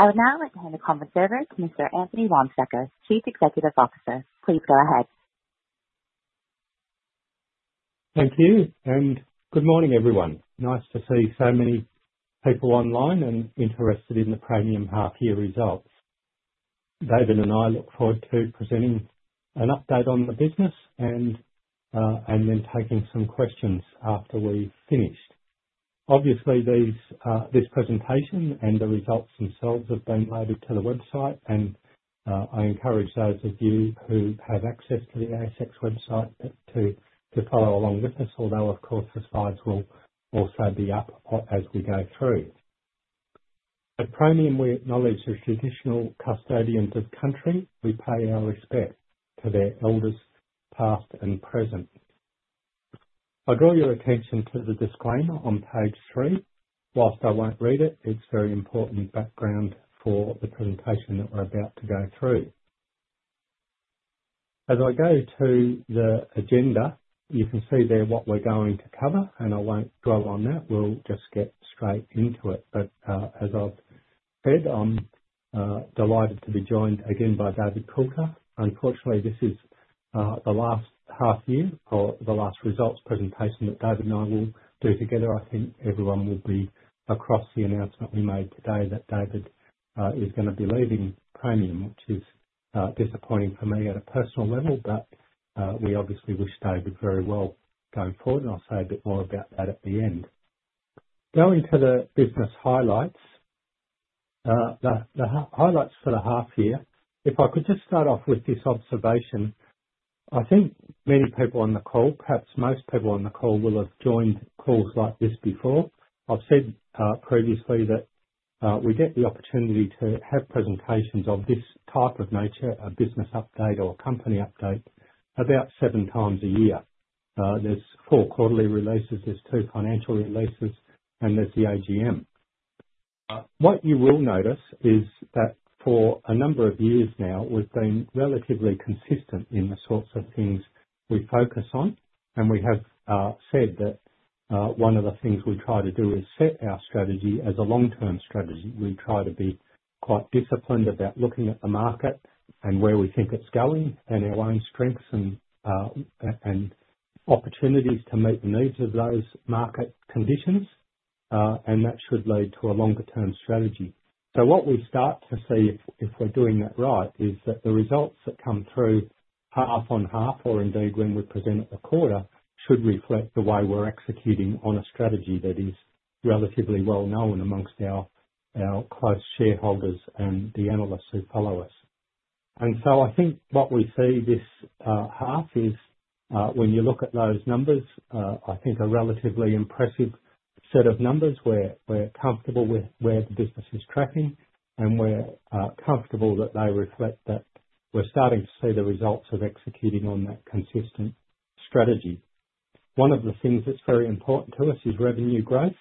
I would now like to hand the conference over to Mr. Anthony Wamsteker, Chief Executive Officer. Please go ahead. Thank you, and good morning, everyone. Nice to see so many people online and interested in the Praemium half year results. David and I look forward to presenting an update on the business and then taking some questions after we've finished. Obviously, this presentation and the results themselves have been loaded to the website, and I encourage those of you who have access to the ASX website to follow along with us, although, of course, the slides will also be up as we go through. At Praemium, we acknowledge the traditional custodians of country. We pay our respects to their elders, past and present. I draw your attention to the disclaimer on page three. Whilst I won't read it, it's very important background for the presentation that we're about to go through. As I go to the agenda, you can see there what we're going to cover, and I won't dwell on that. We'll just get straight into it. As I've said, I'm delighted to be joined again by David Coulter. Unfortunately, this is the last half-year or the last results presentation that David and I will do together. I think everyone will be across the announcement we made today that David is going to be leaving Praemium, which is disappointing for me at a personal level, but we obviously wish David very well going forward, and I'll say a bit more about that at the end. Going to the business highlights, the highlights for the half-year. If I could just start off with this observation, I think many people on the call, perhaps most people on the call, will have joined calls like this before. I've said previously that we get the opportunity to have presentations of this type of nature, a business update or a company update, about seven times a year. There are four quarterly releases, there are two financial releases, and there is the AGM. What you will notice is that for a number of years now, we've been relatively consistent in the sorts of things we focus on, and we have said that one of the things we try to do is set our strategy as a long-term strategy. We try to be quite disciplined about looking at the market and where we think it's going and our own strengths and opportunities to meet the needs of those market conditions, and that should lead to a longer-term strategy. What we start to see if we're doing that right is that the results that come through half-on-half, or indeed when we present at the quarter, should reflect the way we're executing on a strategy that is relatively well known amongst our close shareholders and the analysts who follow us. I think what we see this half is, when you look at those numbers, a relatively impressive set of numbers where we're comfortable with where the business is tracking and we're comfortable that they reflect that we're starting to see the results of executing on that consistent strategy. One of the things that's very important to us is revenue growth.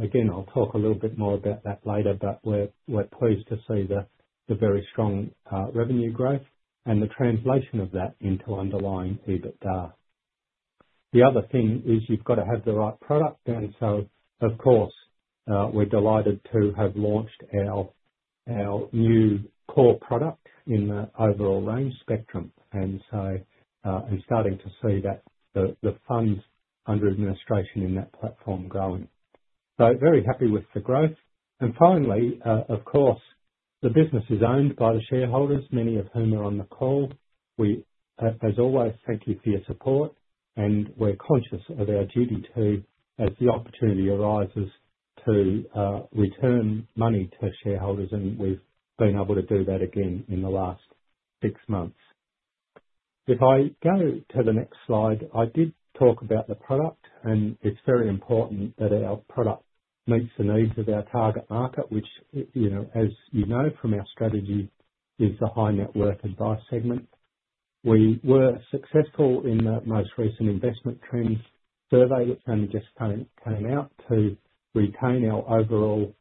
Again, I'll talk a little bit more about that later, but we're pleased to see the very strong revenue growth and the translation of that into underlying EBITDA. The other thing is you've got to have the right product, and so, of course, we're delighted to have launched our new core product in the overall range, Spectrum, and so I'm starting to see that the fund under administration in that platform growing. Very happy with the growth. Finally, of course, the business is owned by the shareholders, many of whom are on the call. We, as always, thank you for your support, and we're conscious of our duty to, as the opportunity arises, to return money to shareholders, and we've been able to do that again in the last six months. If I go to the next slide, I did talk about the product, and it's very important that our product meets the needs of our target market, which, as you know from our strategy, is the high net worth advice segment. We were successful in the most recent investment trends survey that's only just came out to retain our overall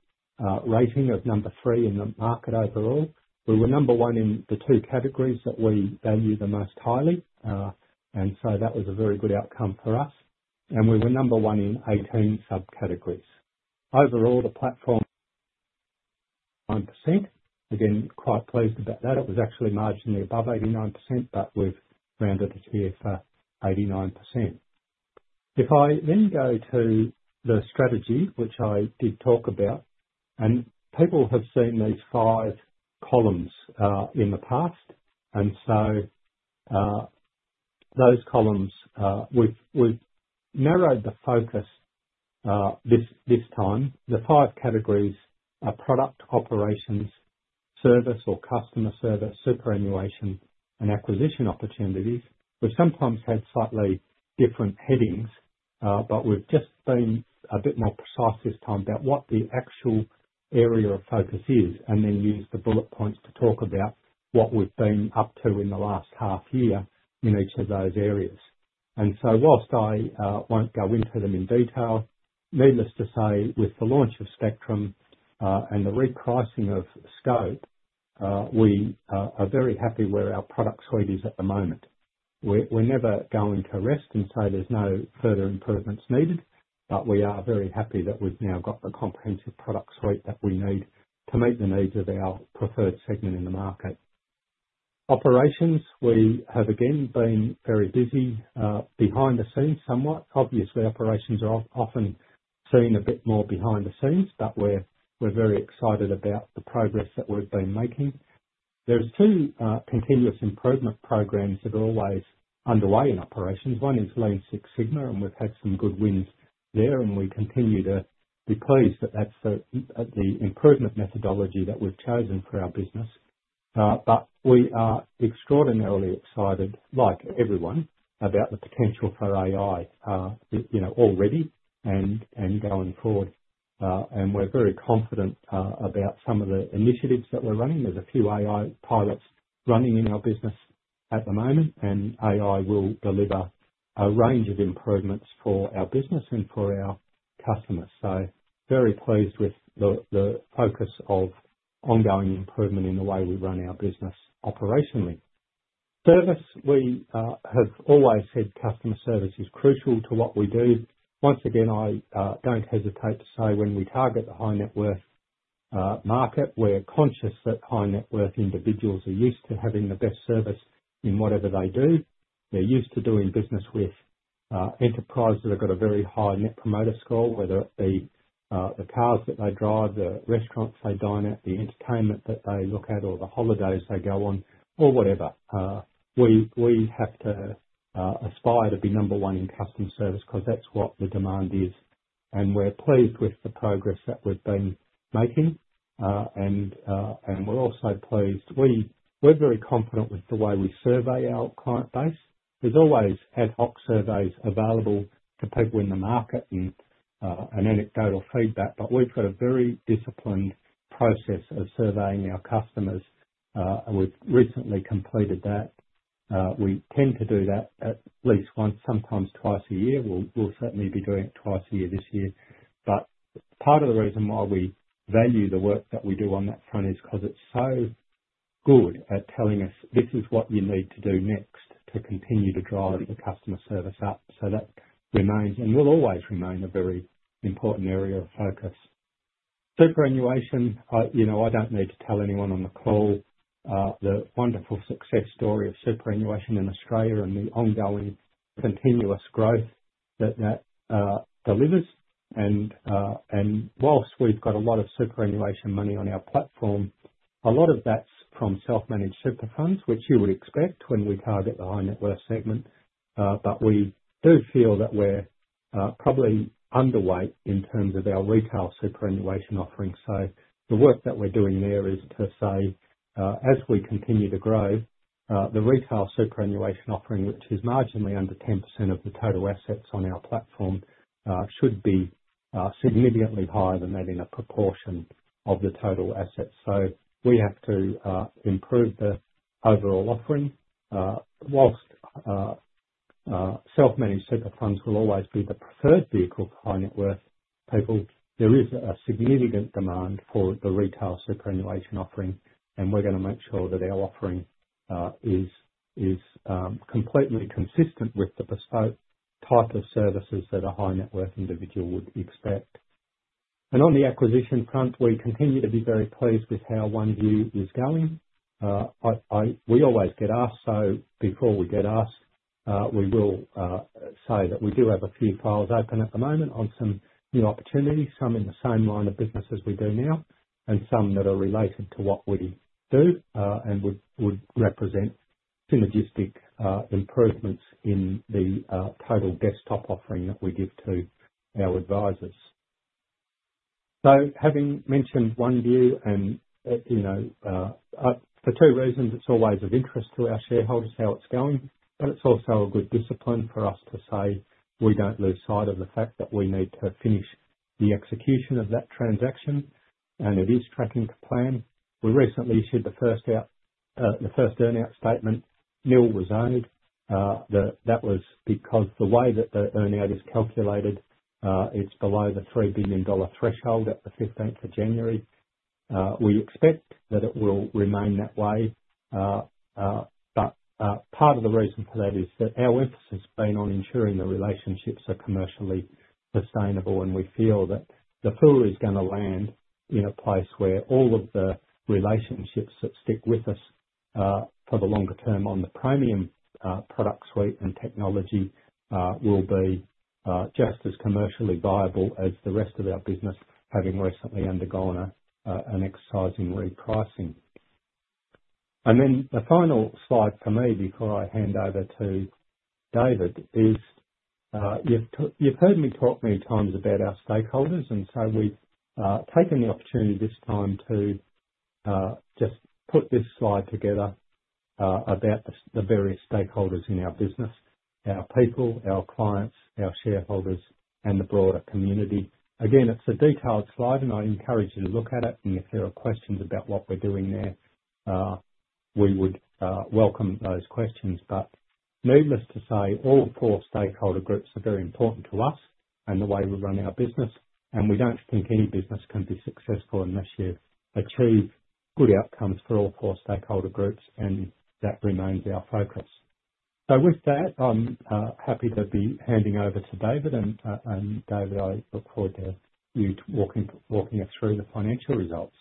rating of number three in the market overall. We were number one in the two categories that we value the most highly, and so that was a very good outcome for us, and we were number one in 18 subcategories. Overall, the platform is 89%. Again, quite pleased about that. It was actually marginally above 89%, but we've rounded it here for 89%. If I then go to the strategy, which I did talk about, and people have seen these five columns in the past, and so those columns, we've narrowed the focus this time. The five categories are product, operations, service, or customer service, superannuation, and acquisition opportunities. We sometimes have slightly different headings, but we've just been a bit more precise this time about what the actual area of focus is, and then used the bullet points to talk about what we've been up to in the last half-year in each of those areas. Whilst I won't go into them in detail, needless to say, with the launch of Spectrum and the repricing of Scope, we are very happy where our product suite is at the moment. We're never going to rest and say there's no further improvements needed, but we are very happy that we've now got the comprehensive product suite that we need to meet the needs of our preferred segment in the market. Operations, we have again been very busy behind the scenes somewhat. Obviously, operations are often seen a bit more behind the scenes, but we're very excited about the progress that we've been making. There are two continuous improvement programs that are always underway in operations. One is Lean Six Sigma, and we've had some good wins there, and we continue to be pleased that that's the improvement methodology that we've chosen for our business. We are extraordinarily excited, like everyone, about the potential for AI already and going forward, and we're very confident about some of the initiatives that we're running. There are a few AI pilots running in our business at the moment, and AI will deliver a range of improvements for our business and for our customers. Very pleased with the focus of ongoing improvement in the way we run our business operationally. Service, we have always said customer service is crucial to what we do. Once again, I don't hesitate to say when we target the high net worth market, we're conscious that high net worth individuals are used to having the best service in whatever they do. They're used to doing business with enterprises that have got a very high net promoter score, whether it be the cars that they drive, the restaurants they dine at, the entertainment that they look at, or the holidays they go on, or whatever. We have to aspire to be number one in customer service because that's what the demand is, and we're pleased with the progress that we've been making, and we're also pleased. We're very confident with the way we survey our client base. There's always ad hoc surveys available to people in the market and anecdotal feedback, but we've got a very disciplined process of surveying our customers. We've recently completed that. We tend to do that at least once, sometimes twice a year. We'll certainly be doing it twice a year this year. Part of the reason why we value the work that we do on that front is because it's so good at telling us, "This is what you need to do next to continue to drive the customer service up," so that remains and will always remain a very important area of focus. Superannuation, I don't need to tell anyone on the call the wonderful success story of superannuation in Australia and the ongoing continuous growth that that delivers. Whilst we've got a lot of superannuation money on our platform, a lot of that's from self-managed super funds, which you would expect when we target the high net worth segment, we do feel that we're probably underweight in terms of our retail superannuation offering. The work that we're doing there is to say, as we continue to grow, the retail superannuation offering, which is marginally under 10% of the total assets on our platform, should be significantly higher than that in a proportion of the total assets. We have to improve the overall offering. Whilst self-managed super funds will always be the preferred vehicle for high net worth people, there is a significant demand for the retail superannuation offering, and we're going to make sure that our offering is completely consistent with the bespoke type of services that a high net worth individual would expect. On the acquisition front, we continue to be very pleased with how OneVue is going. We always get asked, so before we get asked, we will say that we do have a few files open at the moment on some new opportunities, some in the same line of business as we do now, and some that are related to what we do and would represent synergistic improvements in the total desktop offering that we give to our advisors. Having mentioned OneVue, and for two reasons, it's always of interest to our shareholders how it's going, but it's also a good discipline for us to say we don't lose sight of the fact that we need to finish the execution of that transaction, and it is tracking to plan. We recently issued the first earnout statement. Nil was earned. That was because the way that the earnout is calculated, it's below the 3 billion dollar threshold at the 15th of January. We expect that it will remain that way, but part of the reason for that is that our emphasis has been on ensuring the relationships are commercially sustainable, and we feel that the pool is going to land in a place where all of the relationships that stick with us for the longer term on the Praemium Product Suite and technology will be just as commercially viable as the rest of our business having recently undergone an exercise in repricing. The final slide for me before I hand over to David is you've heard me talk many times about our stakeholders, and we have taken the opportunity this time to just put this slide together about the various stakeholders in our business: our people, our clients, our shareholders, and the broader community. Again, it's a detailed slide, and I encourage you to look at it, and if there are questions about what we're doing there, we would welcome those questions. Needless to say, all four stakeholder groups are very important to us and the way we run our business, and we don't think any business can be successful unless you achieve good outcomes for all four stakeholder groups, and that remains our focus. With that, I'm happy to be handing over to David, and David, I look forward to you walking us through the financial results.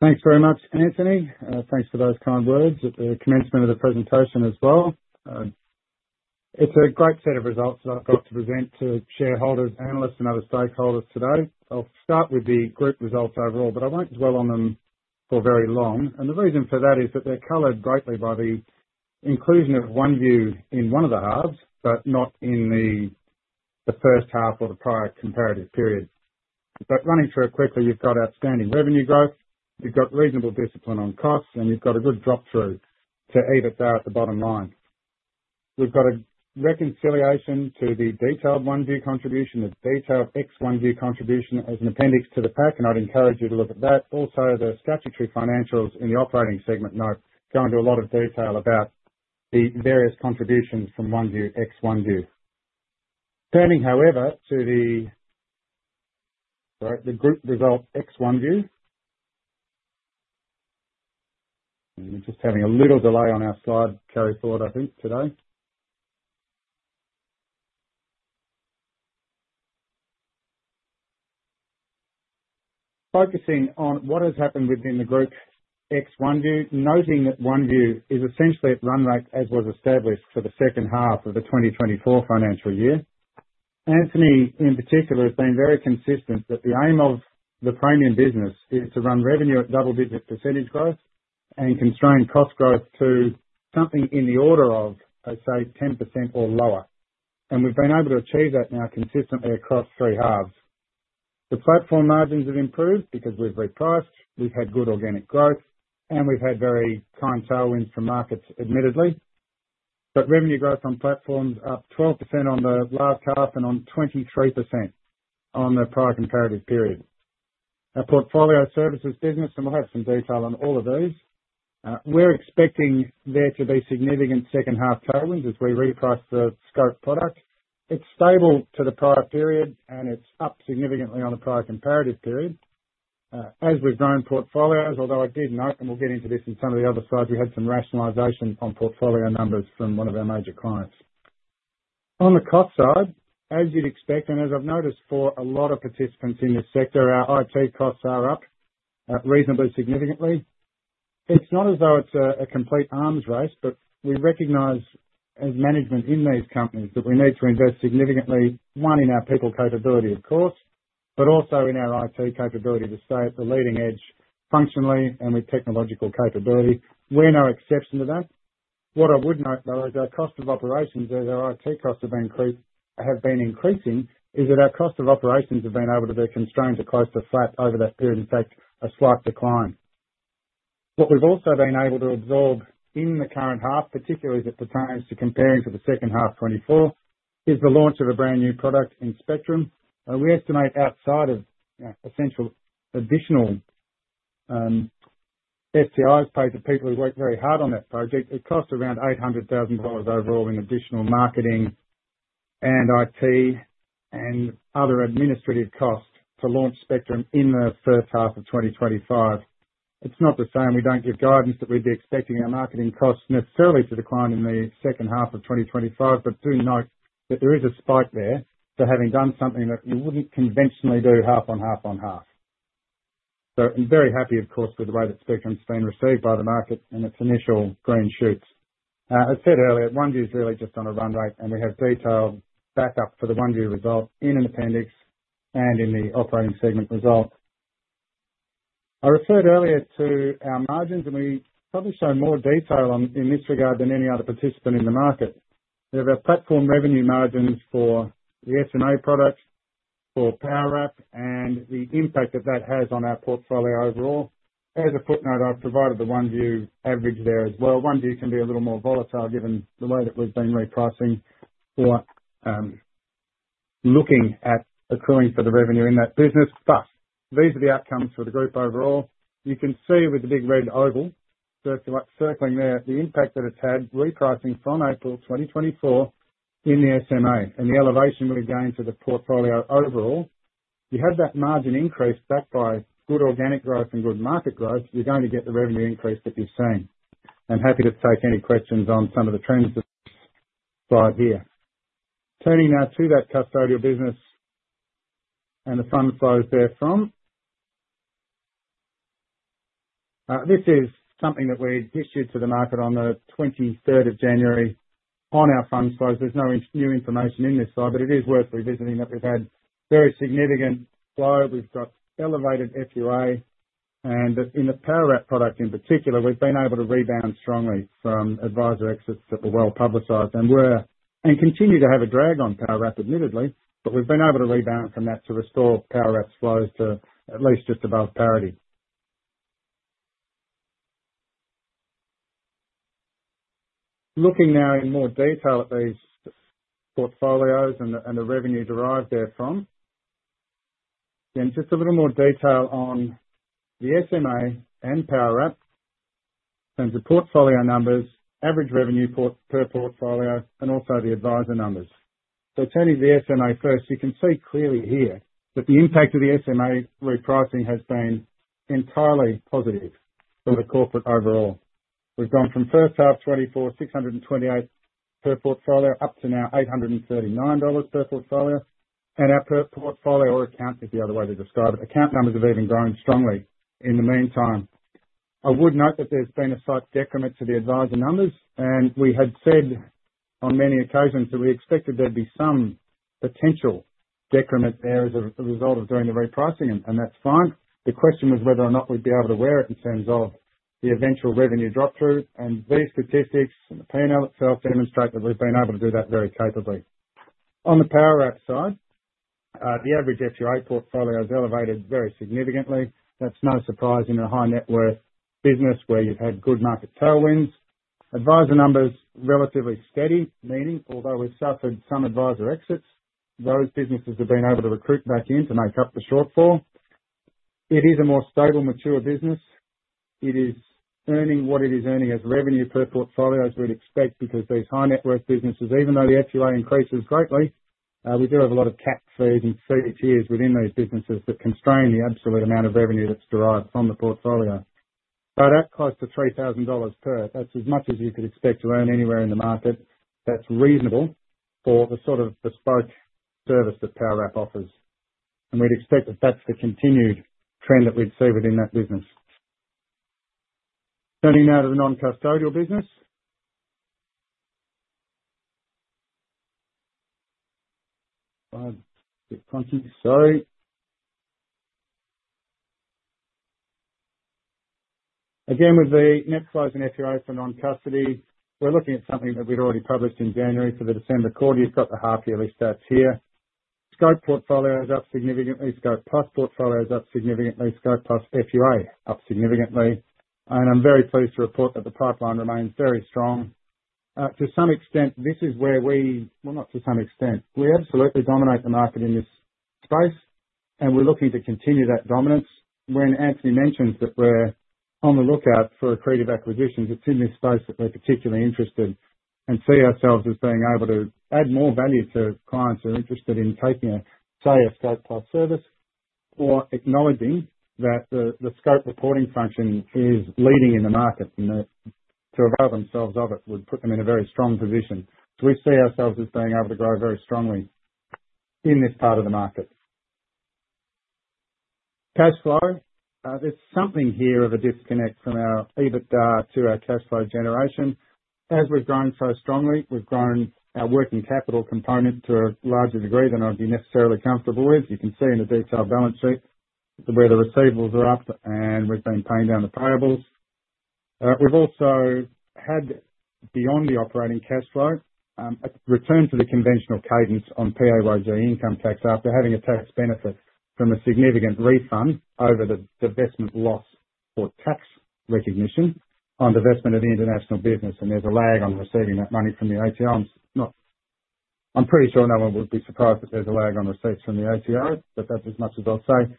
Thanks very much, Anthony. Thanks for those kind words at the commencement of the presentation as well. It's a great set of results that I've got to present to shareholders, analysts, and other stakeholders today. I'll start with the group results overall, but I won't dwell on them for very long, and the reason for that is that they're colored greatly by the inclusion of OneVue in one of the halves, but not in the first half or the prior comparative period. Running through it quickly, you've got outstanding revenue growth, you've got reasonable discipline on costs, and you've got a good drop-through to EBITDA at the bottom line. We've got a reconciliation to the detailed OneVue contribution, the detailed ex-OneVue contribution as an appendix to the pack, and I'd encourage you to look at that. Also, the statutory financials in the operating segment note go into a lot of detail about the various contributions from OneVue, ex-OneVue. Turning, however, to the group result ex-OneVue, we're just having a little delay on our slide, to carry forward I think, today. Focusing on what has happened within the group ex-OneVue, noting that OneVue is essentially at run rate as was established for the second half of the 2024 financial year. Anthony, in particular, has been very consistent that the aim of the Praemium business is to run revenue at double-digit % growth and constrain cost growth to something in the order of, I'd say, 10% or lower, and we've been able to achieve that now consistently across three halves. The platform margins have improved because we've repriced, we've had good organic growth, and we've had very kind tailwinds from markets, admittedly. Revenue growth on platforms up 12% on the last half and on 23% on the prior comparative period. Our portfolio services business, and we'll have some detail on all of those, we're expecting there to be significant second half tailwinds as we reprice the Scope product. It's stable to the prior period, and it's up significantly on the prior comparative period. As we've grown portfolios, although I did note, and we'll get into this in some of the other slides, we had some rationalization on portfolio numbers from one of our major clients. On the cost side, as you'd expect, and as I've noticed for a lot of participants in this sector, our IT costs are up reasonably significantly. It's not as though it's a complete arms race, but we recognize as management in these companies that we need to invest significantly, one in our people capability, of course, but also in our IT capability to stay at the leading edge functionally and with technological capability. We're no exception to that. What I would note, though, is our cost of operations, as our IT costs have been increasing, is that our cost of operations have been able to be constrained to close to flat over that period, in fact, a slight decline. What we've also been able to absorb in the current half, particularly as it pertains to comparing to the second half 2024, is the launch of a brand new product in Spectrum. We estimate outside of essential additional STIs paid to people who worked very hard on that project, it cost around 800 thousand dollars overall in additional marketing and IT and other administrative costs to launch Spectrum in the first half of 2025. It's not the same. We don't give guidance that we'd be expecting our marketing costs necessarily to decline in the second half of 2025, but do note that there is a spike there for having done something that you wouldn't conventionally do half on half on half. I'm very happy, of course, with the way that Spectrum's been received by the market and its initial green shoots. As said earlier, OneVue's really just on a run rate, and we have detailed backup for the OneVue result in an appendix and in the operating segment result. I referred earlier to our margins, and we probably show more detail in this regard than any other participant in the market. We have a platform revenue margins for the SMA product, for Powerwrap, and the impact that that has on our portfolio overall. As a footnote, I've provided the OneVue average there as well. OneVue can be a little more volatile given the way that we've been repricing or looking at accruing for the revenue in that business. But these are the outcomes for the group overall. You can see with the big red oval circling there, the impact that it's had repricing from April 2024 in the SMA and the elevation we've gained to the portfolio overall. You have that margin increase backed by good organic growth and good market growth, you're going to get the revenue increase that you've seen. I'm happy to take any questions on some of the trends that slide here. Turning now to that custodial business and the fund flows therefrom. This is something that we issued to the market on the 23rd of January on our fund flows. There's no new information in this slide, but it is worth revisiting that we've had very significant flow. We've got elevated FUA, and in the Powerwrap product in particular, we've been able to rebound strongly from advisor exits that were well publicized. We continue to have a drag on Powerwrap, admittedly, but we've been able to rebound from that to restore Powerwrap's flows to at least just above parity. Looking now in more detail at these portfolios and the revenue derived therefrom, just a little more detail on the SMA and Powerwrap in terms of portfolio numbers, average revenue per portfolio, and also the advisor numbers. Turning to the SMA first, you can see clearly here that the impact of the SMA repricing has been entirely positive for the corporate overall. We've gone from first half 2024, 628 per portfolio, up to now 839 dollars per portfolio, and our portfolio, or account is the other way to describe it, account numbers have even grown strongly in the meantime. I would note that there's been a slight decrement to the advisor numbers, and we had said on many occasions that we expected there'd be some potential decrement there as a result of doing the repricing, and that's fine. The question was whether or not we'd be able to wear it in terms of the eventual revenue drop-through, and these statistics and the P&L itself demonstrate that we've been able to do that very capably. On the Powerwrap side, the average FUA portfolio has elevated very significantly. That's no surprise in a high net worth business where you've had good market tailwinds. Advisor numbers are relatively steady, meaning although we've suffered some advisor exits, those businesses have been able to recruit back in to make up the shortfall. It is a more stable, mature business. It is earning what it is earning as revenue per portfolio as we'd expect because these high net worth businesses, even though the FUA increases greatly, we do have a lot of cap fees and ITCs within those businesses that constrain the absolute amount of revenue that's derived from the portfolio. That costs 3,000 dollars per. That's as much as you could expect to earn anywhere in the market. That's reasonable for the sort of bespoke service that Powerwrap offers. We'd expect that that's the continued trend that we'd see within that business. Turning now to the non-custodial business. Again, with the net flows and FUA for non-custody, we're looking at something that we'd already published in January for the December quarter. You've got the half-yearly stats here. Scope portfolio is up significantly. Scope+ portfolio is up significantly. Scope+ FUA is up significantly. I'm very pleased to report that the pipeline remains very strong. To some extent, this is where we—well, not to some extent. We absolutely dominate the market in this space, and we're looking to continue that dominance. When Anthony mentioned that we're on the lookout for accretive acquisitions, it's in this space that we're particularly interested and see ourselves as being able to add more value to clients who are interested in taking a, say, a Scope+ service, or acknowledging that the Scope reporting function is leading in the market and that to avail themselves of it would put them in a very strong position. We see ourselves as being able to grow very strongly in this part of the market. Cash flow. There's something here of a disconnect from our EBITDA to our cash flow generation. As we've grown so strongly, we've grown our working capital component to a larger degree than I'd be necessarily comfortable with. You can see in the detailed balance sheet where the receivables are up, and we've been paying down the payables. We've also had, beyond the operating cash flow, a return to the conventional cadence on PAYG income tax after having a tax benefit from a significant refund over the divestment loss for tax recognition on divestment of the international business, and there's a lag on receiving that money from the ATO. I'm pretty sure no one would be surprised that there's a lag on receipts from the ATO, but that's as much as I'll say.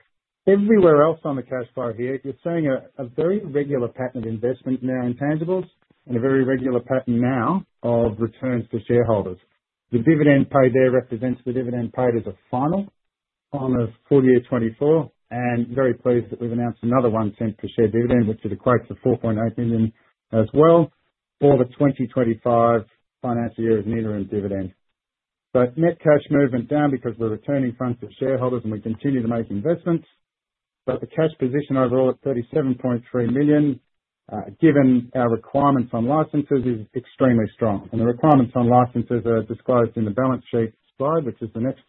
Everywhere else on the cash flow here, you're seeing a very regular pattern of investment in our intangibles and a very regular pattern now of returns to shareholders. The dividend paid there represents the dividend paid as a final on the full year 2024, and very pleased that we've announced another one cent per share dividend, which is a quote for 4.8 million as well for the 2025 financial year as metering dividend. Net cash movement is down because we're returning funds to shareholders, and we continue to make investments. The cash position overall at 37.3 million, given our requirements on licenses, is extremely strong. The requirements on licenses are disclosed in the balance sheet slide, which is the next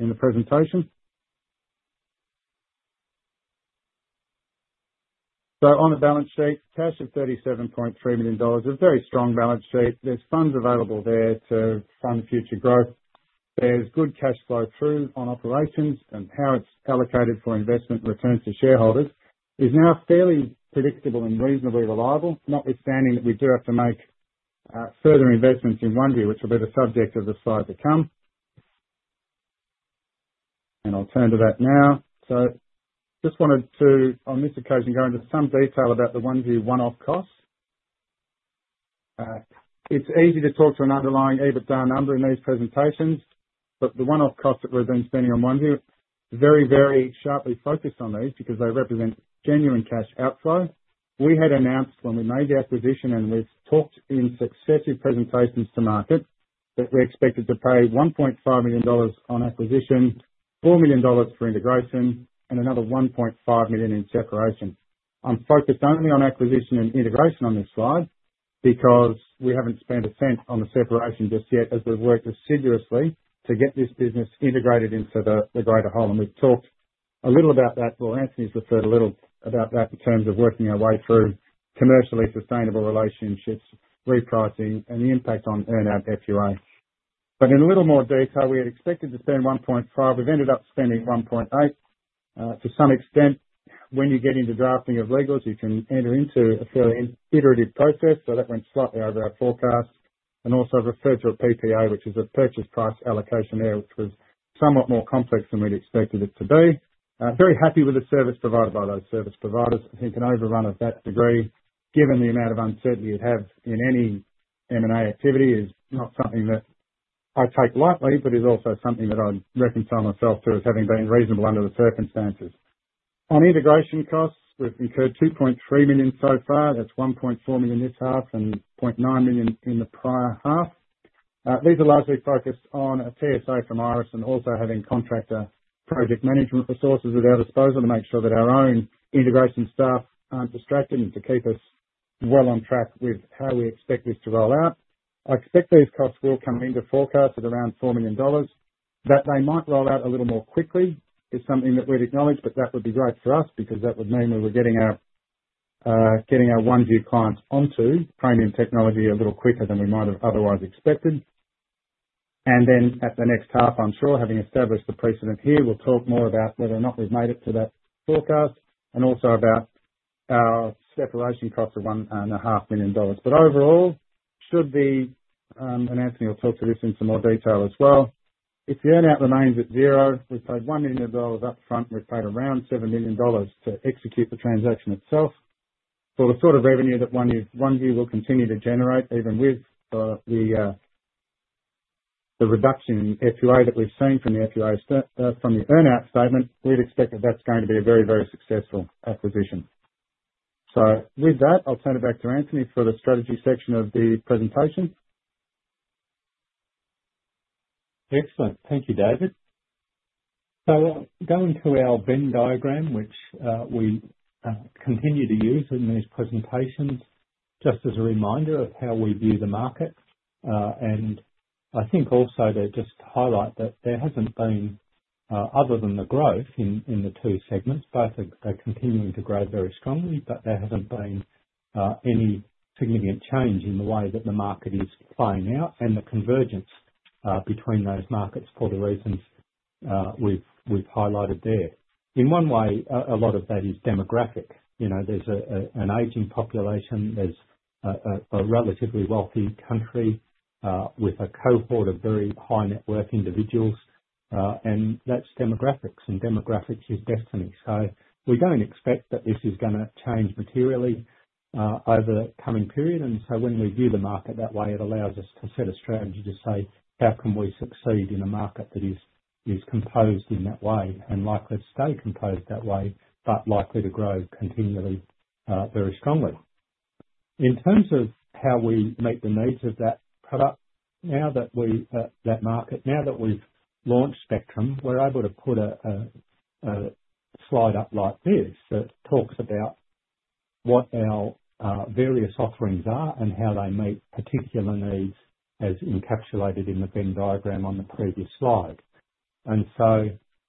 in the presentation. On the balance sheet, cash of 37.3 million dollars, a very strong balance sheet. There are funds available there to fund future growth. There is good cash flow through on operations, and how it's allocated for investment returns to shareholders is now fairly predictable and reasonably reliable, notwithstanding that we do have to make further investments in OneVue, which will be the subject of the slide to come. I just wanted to, on this occasion, go into some detail about the OneVue one-off costs. It's easy to talk to an underlying EBITDA number in these presentations, but the one-off costs that we've been spending on OneVue, very, very sharply focused on these because they represent genuine cash outflow. We had announced when we made the acquisition, and we've talked in successive presentations to market, that we expected to pay 1.5 million dollars on acquisition, 4 million dollars for integration, and another 1.5 million in separation. I'm focused only on acquisition and integration on this slide because we haven't spent a cent on the separation just yet, as we've worked assiduously to get this business integrated into the greater whole. We've talked a little about that, or Anthony's referred a little about that in terms of working our way through commercially sustainable relationships, repricing, and the impact on earn-out FUA. In a little more detail, we had expected to spend 1.5 million. We've ended up spending 1.8 million. To some extent, when you get into drafting of legals, you can enter into a fairly iterative process, so that went slightly over our forecast. I also referred to a PPA, which is a purchase price allocation there, which was somewhat more complex than we'd expected it to be. Very happy with the service provided by those service providers. I think an overrun of that degree, given the amount of uncertainty you'd have in any M&A activity, is not something that I take lightly, but is also something that I'd reconcile myself to as having been reasonable under the circumstances. On integration costs, we've incurred 2.3 million so far. That's 1.4 million this half and 0.9 million in the prior half. These are largely focused on a TSA from Iress and also having contractor project management resources at our disposal to make sure that our own integration staff are not distracted and to keep us well on track with how we expect this to roll out. I expect these costs will come into forecast at around 4 million dollars. That they might roll out a little more quickly is something that we would acknowledge, but that would be great for us because that would mean we were getting our OneVue clients onto Praemium technology a little quicker than we might have otherwise expected. At the next half, I am sure, having established the precedent here, we will talk more about whether or not we have made it to that forecast and also about our separation costs of 1.5 million dollars. Overall, should the—and Anthony will talk to this in some more detail as well—if the earn-out remains at zero, we've paid 1 million dollars upfront, and we've paid around 7 million dollars to execute the transaction itself. For the sort of revenue that OneVue will continue to generate, even with the reduction in FUA that we've seen from the earn-out statement, we'd expect that that's going to be a very, very successful acquisition. With that, I'll turn it back to Anthony for the strategy section of the presentation. Excellent. Thank you, David. Going to our Venn diagram, which we continue to use in these presentations, just as a reminder of how we view the market. I think also to just highlight that there has not been, other than the growth in the two segments, both are continuing to grow very strongly, but there has not been any significant change in the way that the market is playing out and the convergence between those markets for the reasons we have highlighted there. In one way, a lot of that is demographic. There is an aging population. There is a relatively wealthy country with a cohort of very high-net-worth individuals, and that is demographics, and demographics is destiny. We do not expect that this is going to change materially over the coming period. When we view the market that way, it allows us to set a strategy to say, "How can we succeed in a market that is composed in that way and likely to stay composed that way, but likely to grow continually very strongly?" In terms of how we meet the needs of that market, now that we've launched Spectrum, we're able to put a slide up like this that talks about what our various offerings are and how they meet particular needs as encapsulated in the Venn diagram on the previous slide.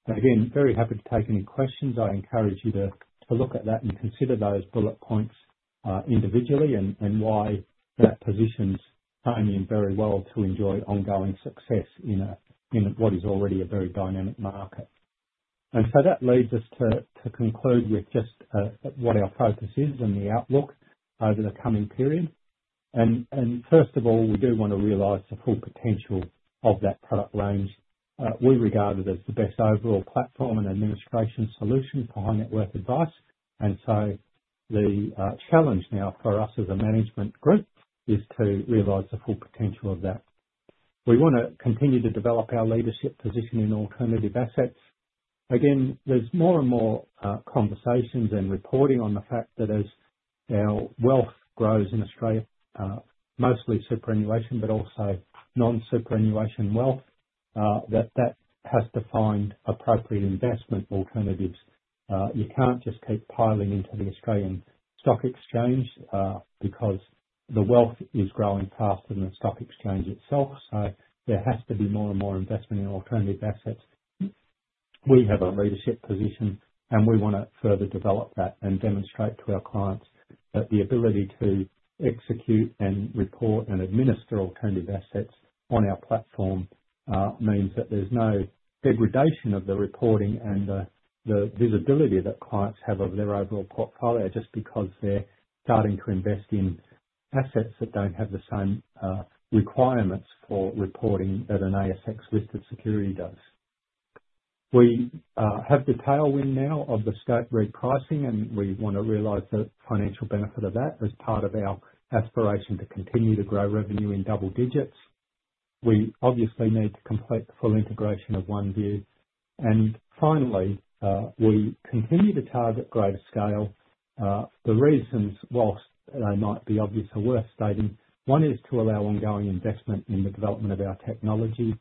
Again, very happy to take any questions. I encourage you to look at that and consider those bullet points individually and why that positions Praemium very well to enjoy ongoing success in what is already a very dynamic market. That leads us to conclude with just what our focus is and the outlook over the coming period. First of all, we do want to realize the full potential of that product range. We regard it as the best overall platform and administration solution for high-net-worth advice. The challenge now for us as a management group is to realize the full potential of that. We want to continue to develop our leadership position in alternative assets. Again, there are more and more conversations and reporting on the fact that as our wealth grows in Australia, mostly superannuation, but also non-superannuation wealth, that that has to find appropriate investment alternatives. You cannot just keep piling into the Australian stock exchange because the wealth is growing faster than the stock exchange itself. There has to be more and more investment in alternative assets. We have a leadership position, and we want to further develop that and demonstrate to our clients that the ability to execute and report and administer alternative assets on our platform means that there is no degradation of the reporting and the visibility that clients have of their overall portfolio just because they are starting to invest in assets that do not have the same requirements for reporting that an ASX-listed security does. We have the tailwind now of the Scope repricing, and we want to realize the financial benefit of that as part of our aspiration to continue to grow revenue in double digits. We obviously need to complete the full integration of OneVue. Finally, we continue to target greater scale. The reasons, whilst they might be obvious or worth stating, one is to allow ongoing investment in the development of our technology.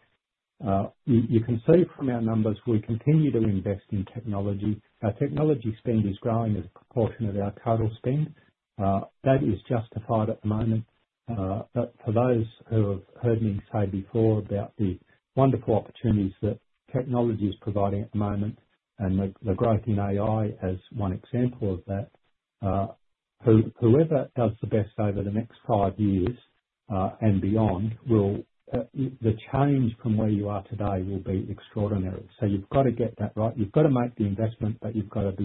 You can see from our numbers we continue to invest in technology. Our technology spend is growing as a proportion of our total spend. That is justified at the moment. For those who have heard me say before about the wonderful opportunities that technology is providing at the moment and the growth in AI as one example of that, whoever does the best over the next five years and beyond, the change from where you are today will be extraordinary. You have to get that right. You have to make the investment, but you have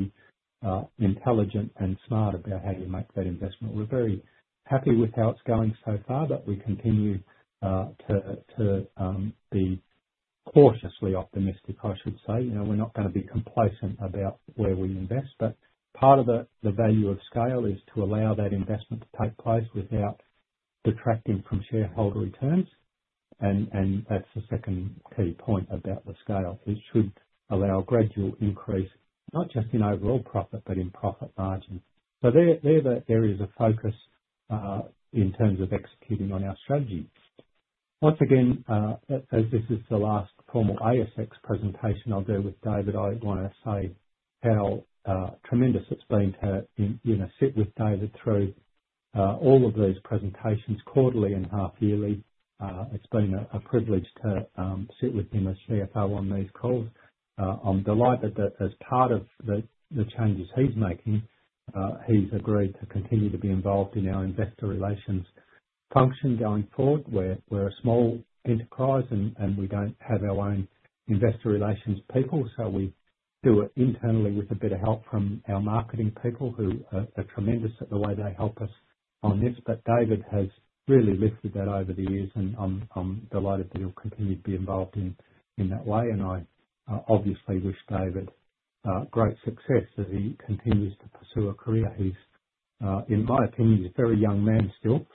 to be intelligent and smart about how you make that investment. We're very happy with how it's going so far, but we continue to be cautiously optimistic, I should say. We're not going to be complacent about where we invest. Part of the value of scale is to allow that investment to take place without detracting from shareholder returns. That is the second key point about the scale. It should allow a gradual increase, not just in overall profit, but in profit margin. They are the areas of focus in terms of executing on our strategy. Once again, as this is the last formal ASX presentation I'll do with David, I want to say how tremendous it's been to sit with David through all of these presentations quarterly and half-yearly. It's been a privilege to sit with him as CFO on these calls. I'm delighted that as part of the changes he's making, he's agreed to continue to be involved in our investor relations function going forward. We're a small enterprise, and we don't have our own investor relations people, so we do it internally with a bit of help from our marketing people who are tremendous at the way they help us on this. David has really lifted that over the years, and I'm delighted that he'll continue to be involved in that way. I obviously wish David great success as he continues to pursue a career. In my opinion, he's a very young man still,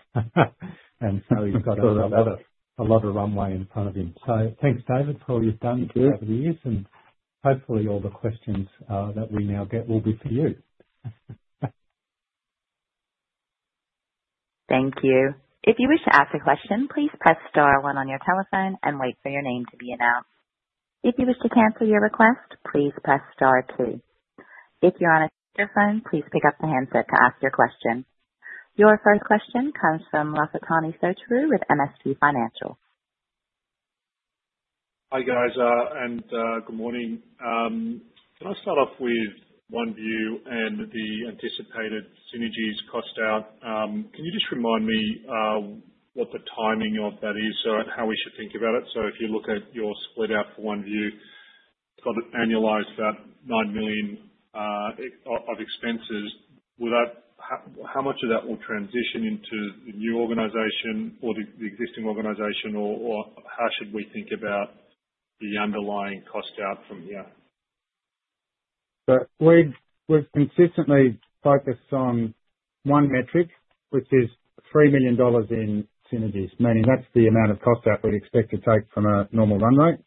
and so he's got a lot of runway in front of him. Thanks, David, for all you've done over the years, and hopefully all the questions that we now get will be for you. Thank you. If you wish to ask a question, please press star one on your telephone and wait for your name to be announced. If you wish to cancel your request, please press star two. If you're on a speakerphone, please pick up the handset to ask your question. Your first question comes from Lafitani Sotiriou with MST Financial. Hi guys, and good morning. Can I start off with OneVue and the anticipated synergies cost out? Can you just remind me what the timing of that is and how we should think about it? If you look at your split out for OneVue, it's got an annualized about 9 million of expenses. How much of that will transition into the new organization or the existing organization, or how should we think about the underlying cost out from here? We have consistently focused on one metric, which is 3 million dollars in synergies, meaning that is the amount of cost out we would expect to take from a normal run rate.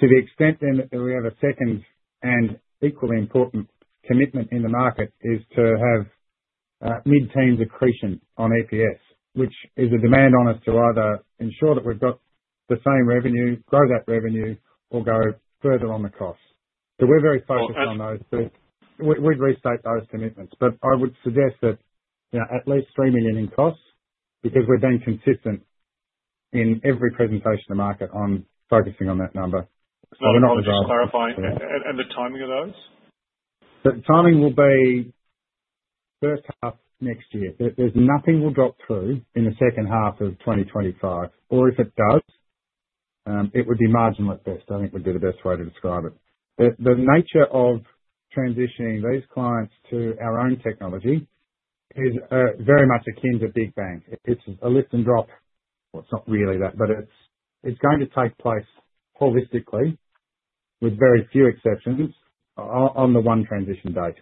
To the extent then that we have a second and equally important commitment in the market, it is to have mid-teens accretion on EPS, which is a demand on us to either ensure that we have the same revenue, grow that revenue, or go further on the cost. We are very focused on those. We would restate those commitments, but I would suggest that at least 3 million in cost because we have been consistent in every presentation to the market on focusing on that number. Just clarifying, and the timing of those? The timing will be first half next year. There's nothing will drop through in the second half of 2025, or if it does, it would be marginless at best. I think would be the best way to describe it. The nature of transitioning these clients to our own technology is very much akin to big bang. It's a lift and drop. Well, it's not really that, but it's going to take place holistically with very few exceptions on the one transition date.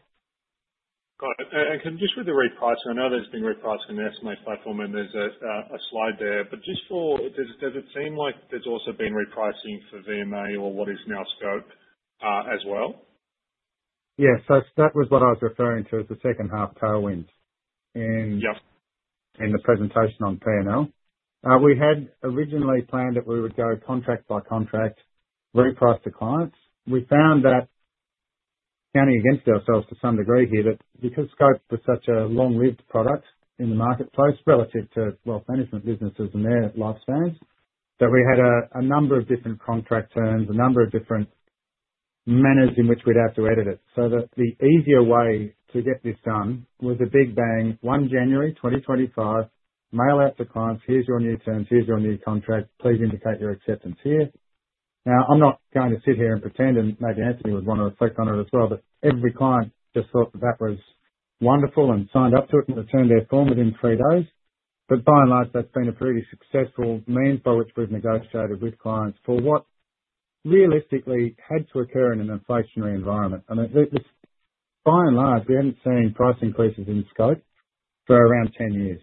Got it. And just with the repricing, I know there's been repricing estimates like for men, there's a slide there. But just for, does it seem like there's also been repricing for VMA or what is now Scope as well? Yes. That was what I was referring to as the second half tailwinds in the presentation on P&L. We had originally planned that we would go contract by contract, reprice to clients. We found that, counting against ourselves to some degree here, that because Scope was such a long-lived product in the marketplace relative to wealth management businesses and their lifespans, we had a number of different contract terms, a number of different manners in which we would have to edit it. The easier way to get this done was a big bang, 1 January 2025, mail out to clients, "Here's your new terms. Here's your new contract. Please indicate your acceptance here. Now, I'm not going to sit here and pretend and maybe Anthony would want to reflect on it as well, but every client just thought that that was wonderful and signed up to it and returned their form within three days. By and large, that's been a pretty successful means by which we've negotiated with clients for what realistically had to occur in an inflationary environment. I mean, by and large, we haven't seen price increases in Scope for around 10 years.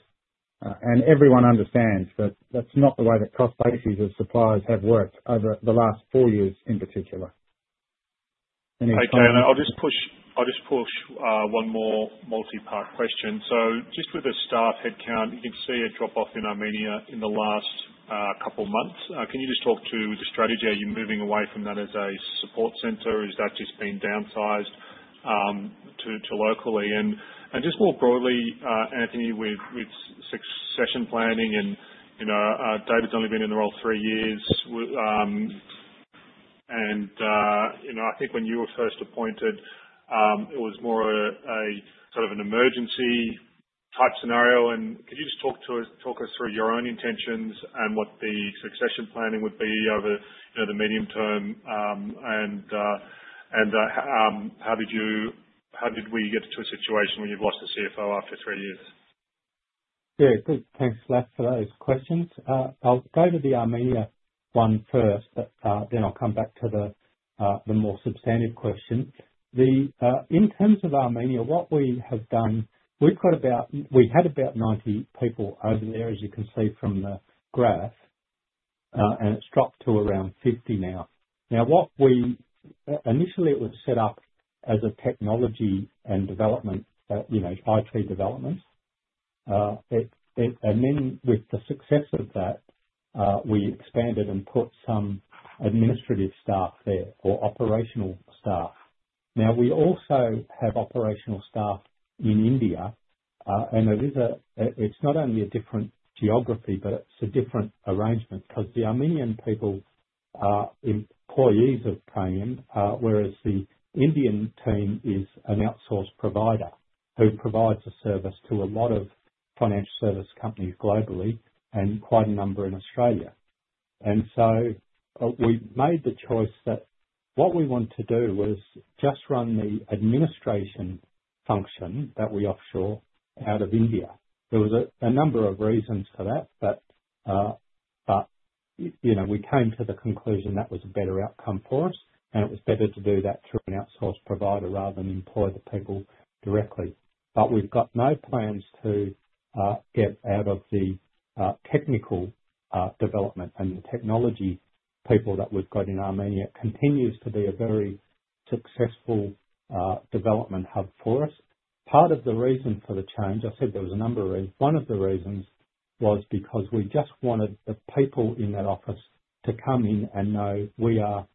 Everyone understands that that's not the way that cost bases of suppliers have worked over the last four years in particular. Okay. I'll just push one more multi-part question. Just with a staff headcount, you can see a drop-off in Armenia in the last couple of months. Can you just talk to the strategy? Are you moving away from that as a support center? Has that just been downsized to locally? Just more broadly, Anthony, with succession planning, and David's only been in the role three years. I think when you were first appointed, it was more of a sort of an emergency type scenario. Could you just talk us through your own intentions and what the succession planning would be over the medium term? How did we get to a situation where you've lost a CFO after three years? Yeah. Thanks, Laf for those questions. I'll go to the Armenia one first, then I'll come back to the more substantive question. In terms of Armenia, what we have done, we had about 90 people over there, as you can see from the graph, and it's dropped to around 50 now. Now, initially, it was set up as a technology and development, i3 developments. And then with the success of that, we expanded and put some administrative staff there or operational staff. Now, we also have operational staff in India, and it's not only a different geography, but it's a different arrangement because the Armenian people are employees of Praemium, whereas the Indian team is an outsourced provider who provides a service to a lot of financial service companies globally and quite a number in Australia. We made the choice that what we want to do was just run the administration function that we offshore out of India. There was a number of reasons for that, but we came to the conclusion that was a better outcome for us, and it was better to do that through an outsourced provider rather than employ the people directly. We've got no plans to get out of the technical development and the technology people that we've got in Armenia. It continues to be a very successful development hub for us. Part of the reason for the change, I said there was a number of reasons. One of the reasons was because we just wanted the people in that office to come in and know we are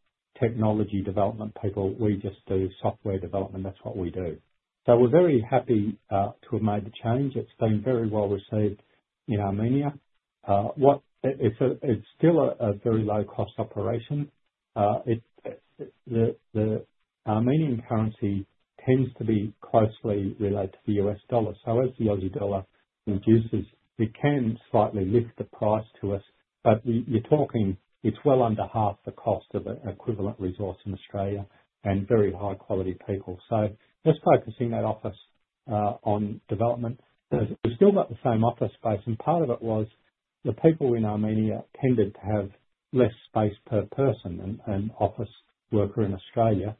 technology development people. We just do software development. That's what we do. We're very happy to have made the change. It's been very well received in Armenia. It's still a very low-cost operation. The Armenian currency tends to be closely related to the U.S. dollar. As the AUD reduces, it can slightly lift the price to us, but you're talking it's well under half the cost of an equivalent resource in Australia and very high-quality people. Just focusing that office on development. We've still got the same office space, and part of it was the people in Armenia tended to have less space per person than an office worker in Australia.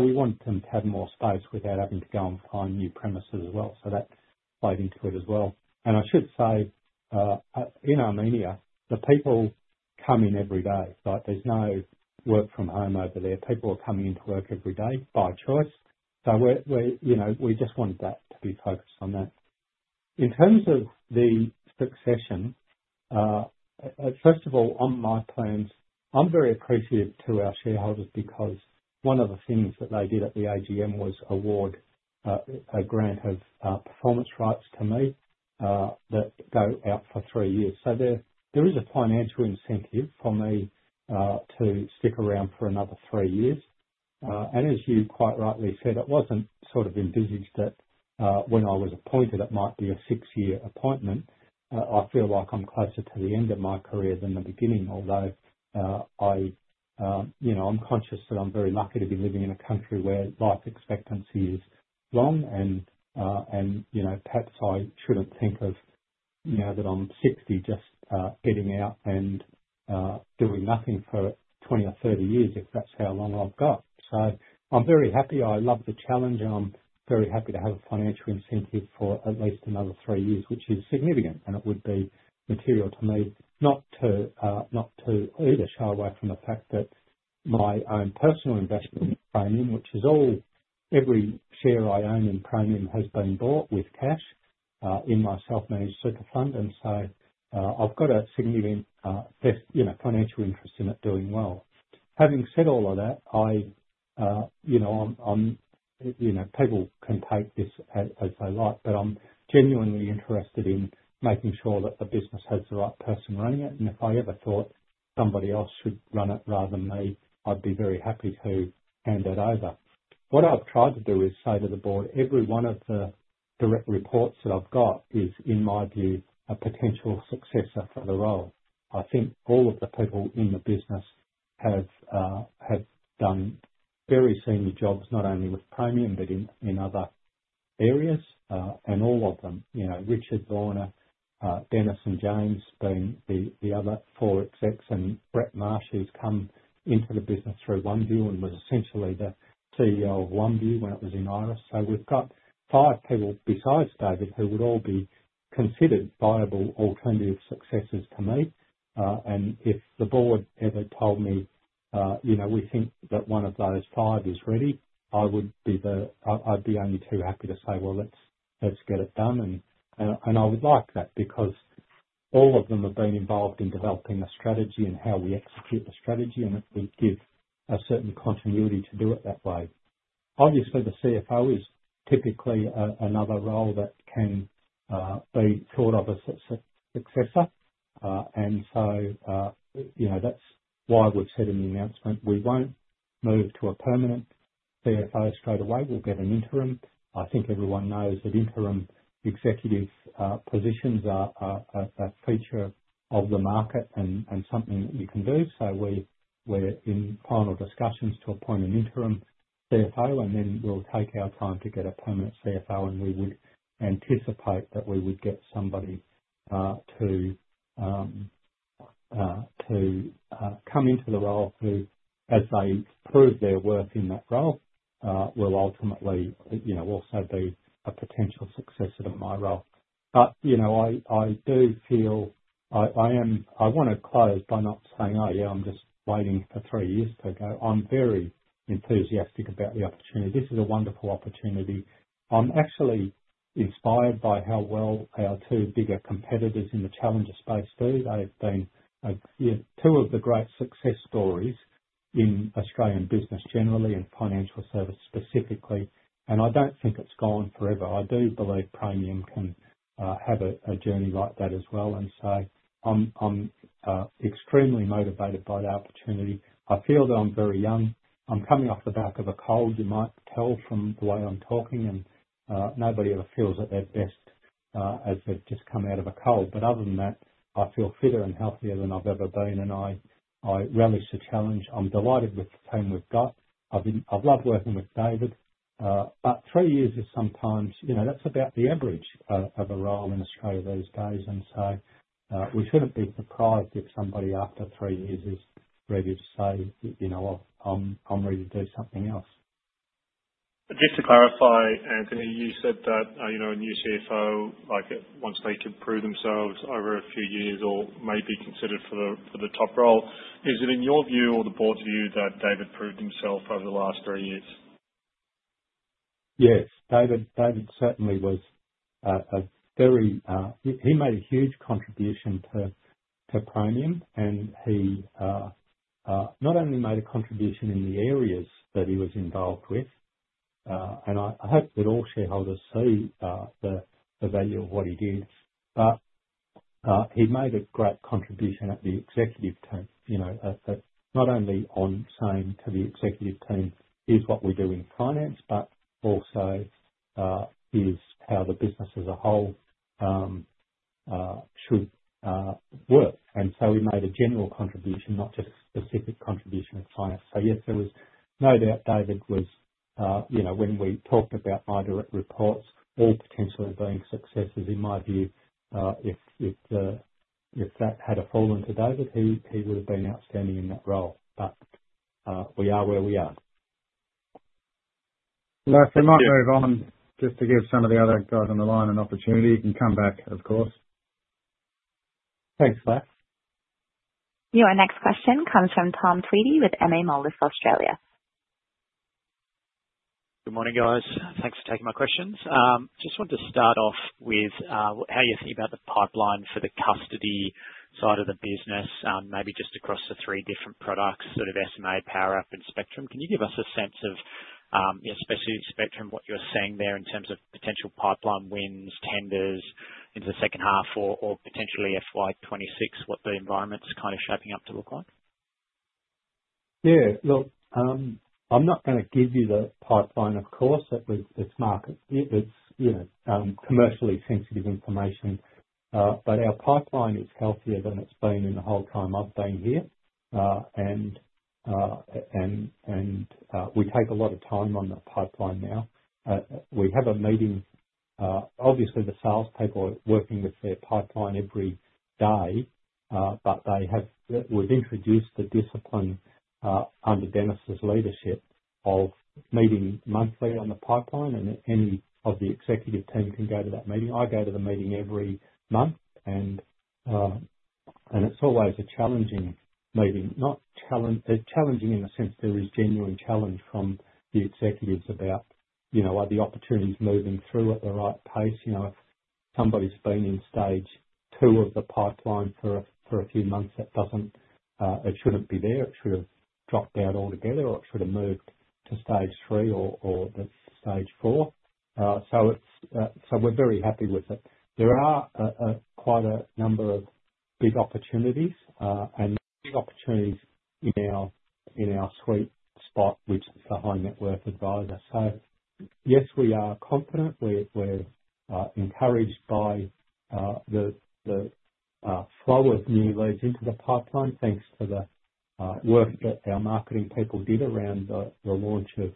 We want them to have more space without having to go and find new premises as well. That played into it as well. I should say in Armenia, the people come in every day. There's no work from home over there. People are coming into work every day by choice. We just wanted that to be focused on that. In terms of the succession, first of all, on my plans, I'm very appreciative to our shareholders because one of the things that they did at the AGM was award a grant of performance rights to me that go out for three years. There is a financial incentive for me to stick around for another three years. As you quite rightly said, it wasn't sort of envisaged that when I was appointed, it might be a six-year appointment. I feel like I'm closer to the end of my career than the beginning, although I'm conscious that I'm very lucky to be living in a country where life expectancy is long, and perhaps I shouldn't think of now that I'm 60 just getting out and doing nothing for 20 or 30 years if that's how long I've got. I am very happy. I love the challenge, and I'm very happy to have a financial incentive for at least another three years, which is significant, and it would be material to me not to either shy away from the fact that my own personal investment in Praemium, which is all every share I own in Praemium has been bought with cash in my self-managed super fund, and so I've got a significant financial interest in it doing well. Having said all of that, people can take this as they like, but I'm genuinely interested in making sure that the business has the right person running it. If I ever thought somebody else should run it rather than me, I'd be very happy to hand that over. What I've tried to do is say to the board, every one of the direct reports that I've got is, in my view, a potential successor for the role. I think all of the people in the business have done very senior jobs, not only with Praemium, but in other areas, and all of them. Richard Warner, Denis and James being the other four execs, and Brett Marsh, who's come into the business through OneVue and was essentially the CEO of OneVue when it was in Iress. We've got five people besides David who would all be considered viable alternative successors to me. If the board ever told me, "We think that one of those five is ready," I'd be only too happy to say, "Let's get it done." I would like that because all of them have been involved in developing the strategy and how we execute the strategy, and it would give a certain continuity to do it that way. Obviously, the CFO is typically another role that can be thought of as a successor. That's why we've said in the announcement, we won't move to a permanent CFO straight away. We'll get an interim. I think everyone knows that interim executive positions are a feature of the market and something that you can do. We're in final discussions to appoint an interim CFO, and then we'll take our time to get a permanent CFO, and we would anticipate that we would get somebody to come into the role who, as they prove their worth in that role, will ultimately also be a potential successor to my role. I do feel I want to close by not saying, "Oh, yeah, I'm just waiting for three years to go." I'm very enthusiastic about the opportunity. This is a wonderful opportunity. I'm actually inspired by how well our two bigger competitors in the challenger space do. They've been two of the great success stories in Australian business generally and financial service specifically. I don't think it's gone forever. I do believe Praemium can have a journey like that as well. I'm extremely motivated by the opportunity. I feel that I'm very young. I'm coming off the back of a cold, you might tell from the way I'm talking, and nobody ever feels at their best as they've just come out of a cold. Other than that, I feel fitter and healthier than I've ever been, and I relish the challenge. I'm delighted with the team we've got. I've loved working with David, but three years is sometimes that's about the average of a role in Australia these days. We shouldn't be surprised if somebody after three years is ready to say, "I'm ready to do something else. Just to clarify, Anthony, you said that a new CFO, once they can prove themselves over a few years or may be considered for the top role, is it in your view or the board's view that David proved himself over the last three years? Yes. David certainly was a very, he made a huge contribution to Praemium, and he not only made a contribution in the areas that he was involved with, and I hope that all shareholders see the value of what he did, but he made a great contribution at the executive team, not only on saying to the executive team, "Here's what we do in finance," but also is how the business as a whole should work. He made a general contribution, not just a specific contribution of finance. Yes, there was no doubt David was, when we talked about my direct reports all potentially being successors, in my view, if that had fallen to David, he would have been outstanding in that role. We are where we are. If we might move on just to give some of the other guys on the line an opportunity, you can come back, of course. Thanks, Laf. Your next question comes from Tom Tweedy with MA Moelis Australia. Good morning, guys. Thanks for taking my questions. Just want to start off with how you think about the pipeline for the custody side of the business, maybe just across the three different products, sort of SMA, Powerwrap, and Spectrum. Can you give us a sense of, especially Spectrum, what you're seeing there in terms of potential pipeline wins, tenders into the second half or potentially FY2026, what the environment's kind of shaping up to look like? Yeah. Look, I'm not going to give you the pipeline, of course. It's market. It's commercially sensitive information. Our pipeline is healthier than it's been in the whole time I've been here. We take a lot of time on the pipeline now. We have a meeting. Obviously, the salespeople are working with their pipeline every day, but we've introduced the discipline under Denis's leadership of meeting monthly on the pipeline, and any of the executive team can go to that meeting. I go to the meeting every month, and it's always a challenging meeting. Not challenging in the sense there is genuine challenge from the executives about are the opportunities moving through at the right pace. If somebody's been in stage two of the pipeline for a few months, it shouldn't be there. It should have dropped out altogether, or it should have moved to stage three or stage four. We are very happy with it. There are quite a number of big opportunities, and big opportunities in our sweet spot, which is the high net worth advisor. Yes, we are confident. We are encouraged by the flow of new leads into the pipeline, thanks to the work that our marketing people did around the launch of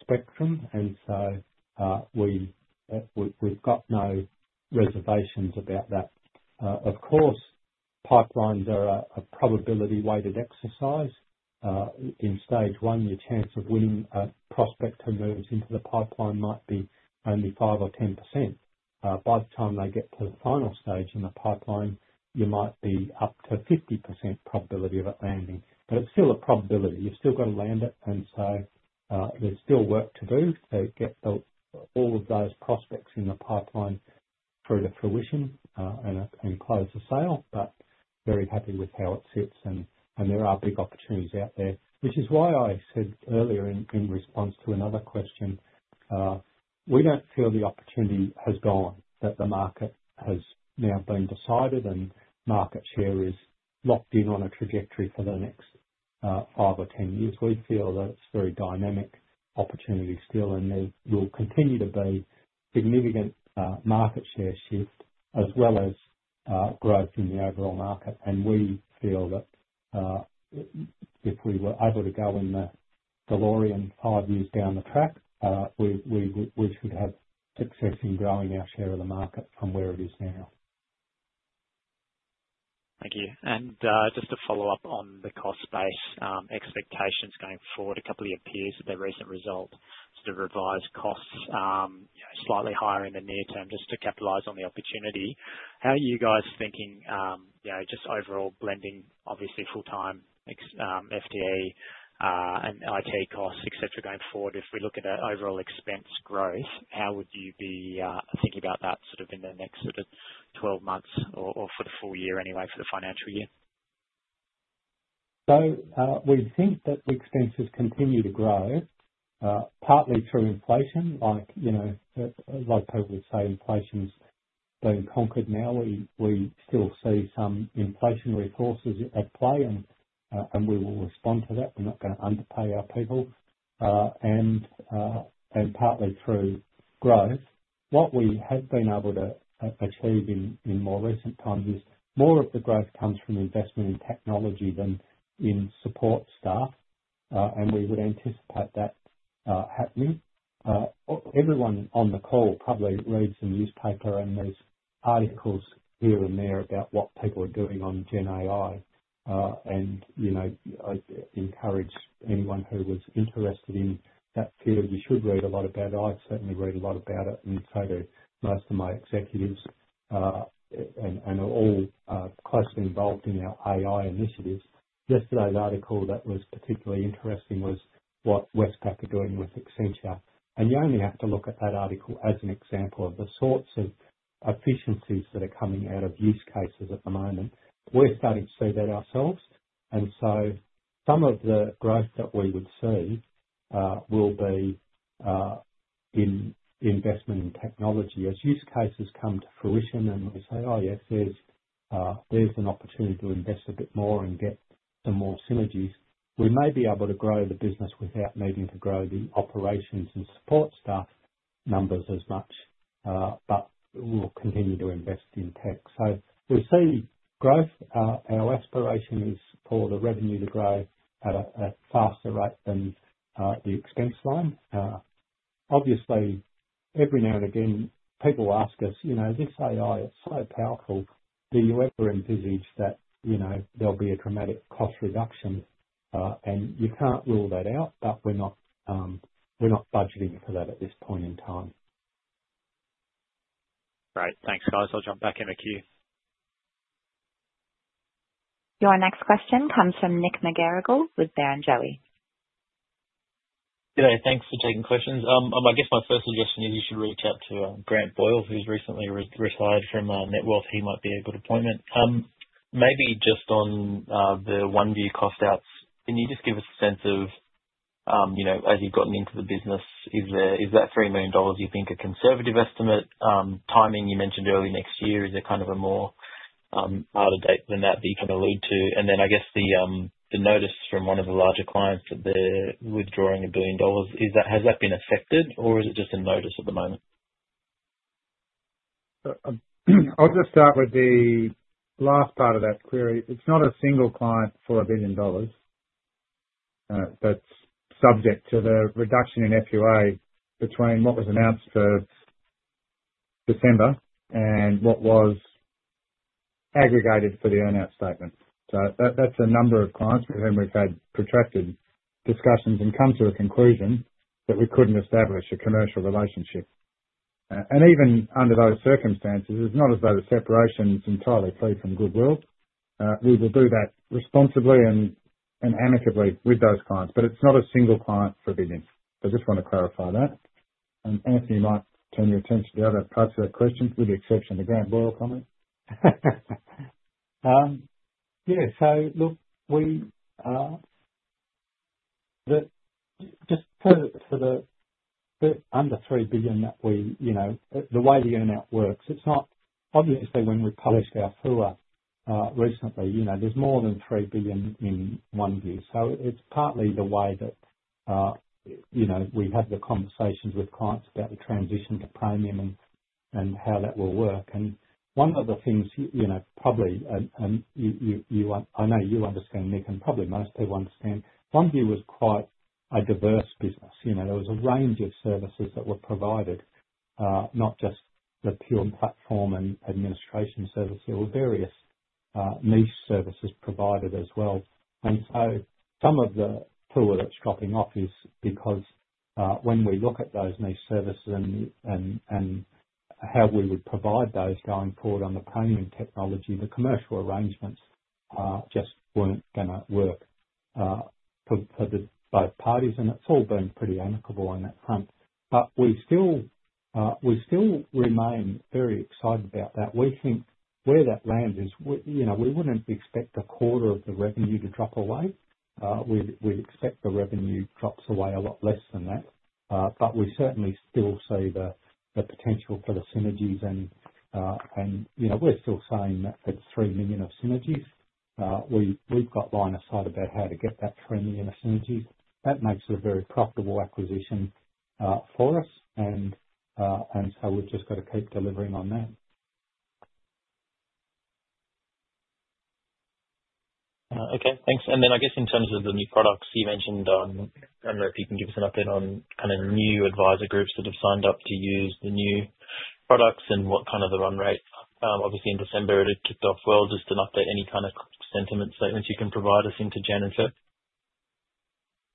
Spectrum. We have no reservations about that. Of course, pipelines are a probability-weighted exercise. In stage one, your chance of winning a prospect who moves into the pipeline might be only 5% or 10%. By the time they get to the final stage in the pipeline, you might be up to 50% probability of it landing. It is still a probability. You have still got to land it. There is still work to do to get all of those prospects in the pipeline through to fruition and close the sale. Very happy with how it sits. There are big opportunities out there, which is why I said earlier in response to another question, we do not feel the opportunity has gone, that the market has now been decided and market share is locked in on a trajectory for the next 5 or 10 years. We feel that it is a very dynamic opportunity still, and there will continue to be significant market share shift as well as growth in the overall market. We feel that if we were able to go in the DeLorean five years down the track, we should have success in growing our share of the market from where it is now. Thank you. Just to follow up on the cost-based expectations going forward, a couple of years of the recent result, sort of revised costs slightly higher in the near term just to capitalize on the opportunity. How are you guys thinking just overall blending, obviously, full-time FTE and IT costs, etc., going forward? If we look at overall expense growth, how would you be thinking about that sort of in the next sort of 12 months or for the full year anyway, for the financial year? We think that expenses continue to grow, partly through inflation. Like people would say, inflation's been conquered now. We still see some inflationary forces at play, and we will respond to that. We're not going to underpay our people. And partly through growth. What we have been able to achieve in more recent times is more of the growth comes from investment in technology than in support staff. We would anticipate that happening. Everyone on the call probably reads the newspaper, and there's articles here and there about what people are doing on GenAI. I encourage anyone who was interested in that field, you should read a lot about it. I certainly read a lot about it, and so do most of my executives, and are all closely involved in our AI initiatives. Yesterday's article that was particularly interesting was what Westpac are doing with Accenture. You only have to look at that article as an example of the sorts of efficiencies that are coming out of use cases at the moment. We're starting to see that ourselves. Some of the growth that we would see will be in investment in technology. As use cases come to fruition, and we say, "Oh, yes, there's an opportunity to invest a bit more and get some more synergies," we may be able to grow the business without needing to grow the operations and support staff numbers as much, but we'll continue to invest in tech. We see growth. Our aspiration is for the revenue to grow at a faster rate than the expense line. Obviously, every now and again, people ask us, "This AI, it's so powerful. Do you ever envisage that there'll be a dramatic cost reduction? You can't rule that out, but we're not budgeting for that at this point in time. Great. Thanks, guys. I'll jump back in a queue. Your next question comes from Nick McGarrigle with Barrenjoey. Yeah. Thanks for taking questions. I guess my first suggestion is you should reach out to Grant Boyle, who's recently retired from Netwealth. He might be a good appointment. Maybe just on the OneVue cost outs, can you just give us a sense of, as you've gotten into the business, is that 3 million dollars you think a conservative estimate? Timing you mentioned early next year, is there kind of a more harder date than that that you can allude to? I guess the notice from one of the larger clients that they're withdrawing 1 billion dollars, has that been effected, or is it just a notice at the moment? I'll just start with the last part of that query. It's not a single client for 1 billion dollars that's subject to the reduction in FUA between what was announced for December and what was aggregated for the earnout statement. That's a number of clients with whom we've had protracted discussions and come to a conclusion that we couldn't establish a commercial relationship. Even under those circumstances, it's not as though the separation's entirely free from goodwill. We will do that responsibly and amicably with those clients. It's not a single client for AUD 1 billion. I just want to clarify that. Anthony might turn your attention to the other parts of that question, with the exception of the Grant Boyle comment. Yeah. Look, just for the under AUD 3 billion that we, the way the earnout works, it's not obviously when we published our FUA recently, there's more than 3 billion in OneVue. It's partly the way that we have the conversations with clients about the transition to Praemium and how that will work. One of the things probably I know you understand, Nick, and probably most people understand, OneVue was quite a diverse business. There was a range of services that were provided, not just the pure platform and administration services. There were various niche services provided as well. Some of the FUA that's dropping off is because when we look at those niche services and how we would provide those going forward on the Praemium technology, the commercial arrangements just weren't going to work for both parties. It has all been pretty amicable on that front. We still remain very excited about that. We think where that land is, we would not expect a quarter of the revenue to drop away. We would expect the revenue drops away a lot less than that. We certainly still see the potential for the synergies. We are still saying that it is 3 million of synergies. We have got line of sight about how to get that 3 million of synergies. That makes it a very profitable acquisition for us. We have just got to keep delivering on that. Okay. Thanks. I guess in terms of the new products you mentioned, I don't know if you can give us an update on kind of new advisor groups that have signed up to use the new products and what kind of the run rate. Obviously, in December, it had kicked off well. Just an update, any kind of sentiment statements you can provide us into Jan and Feb?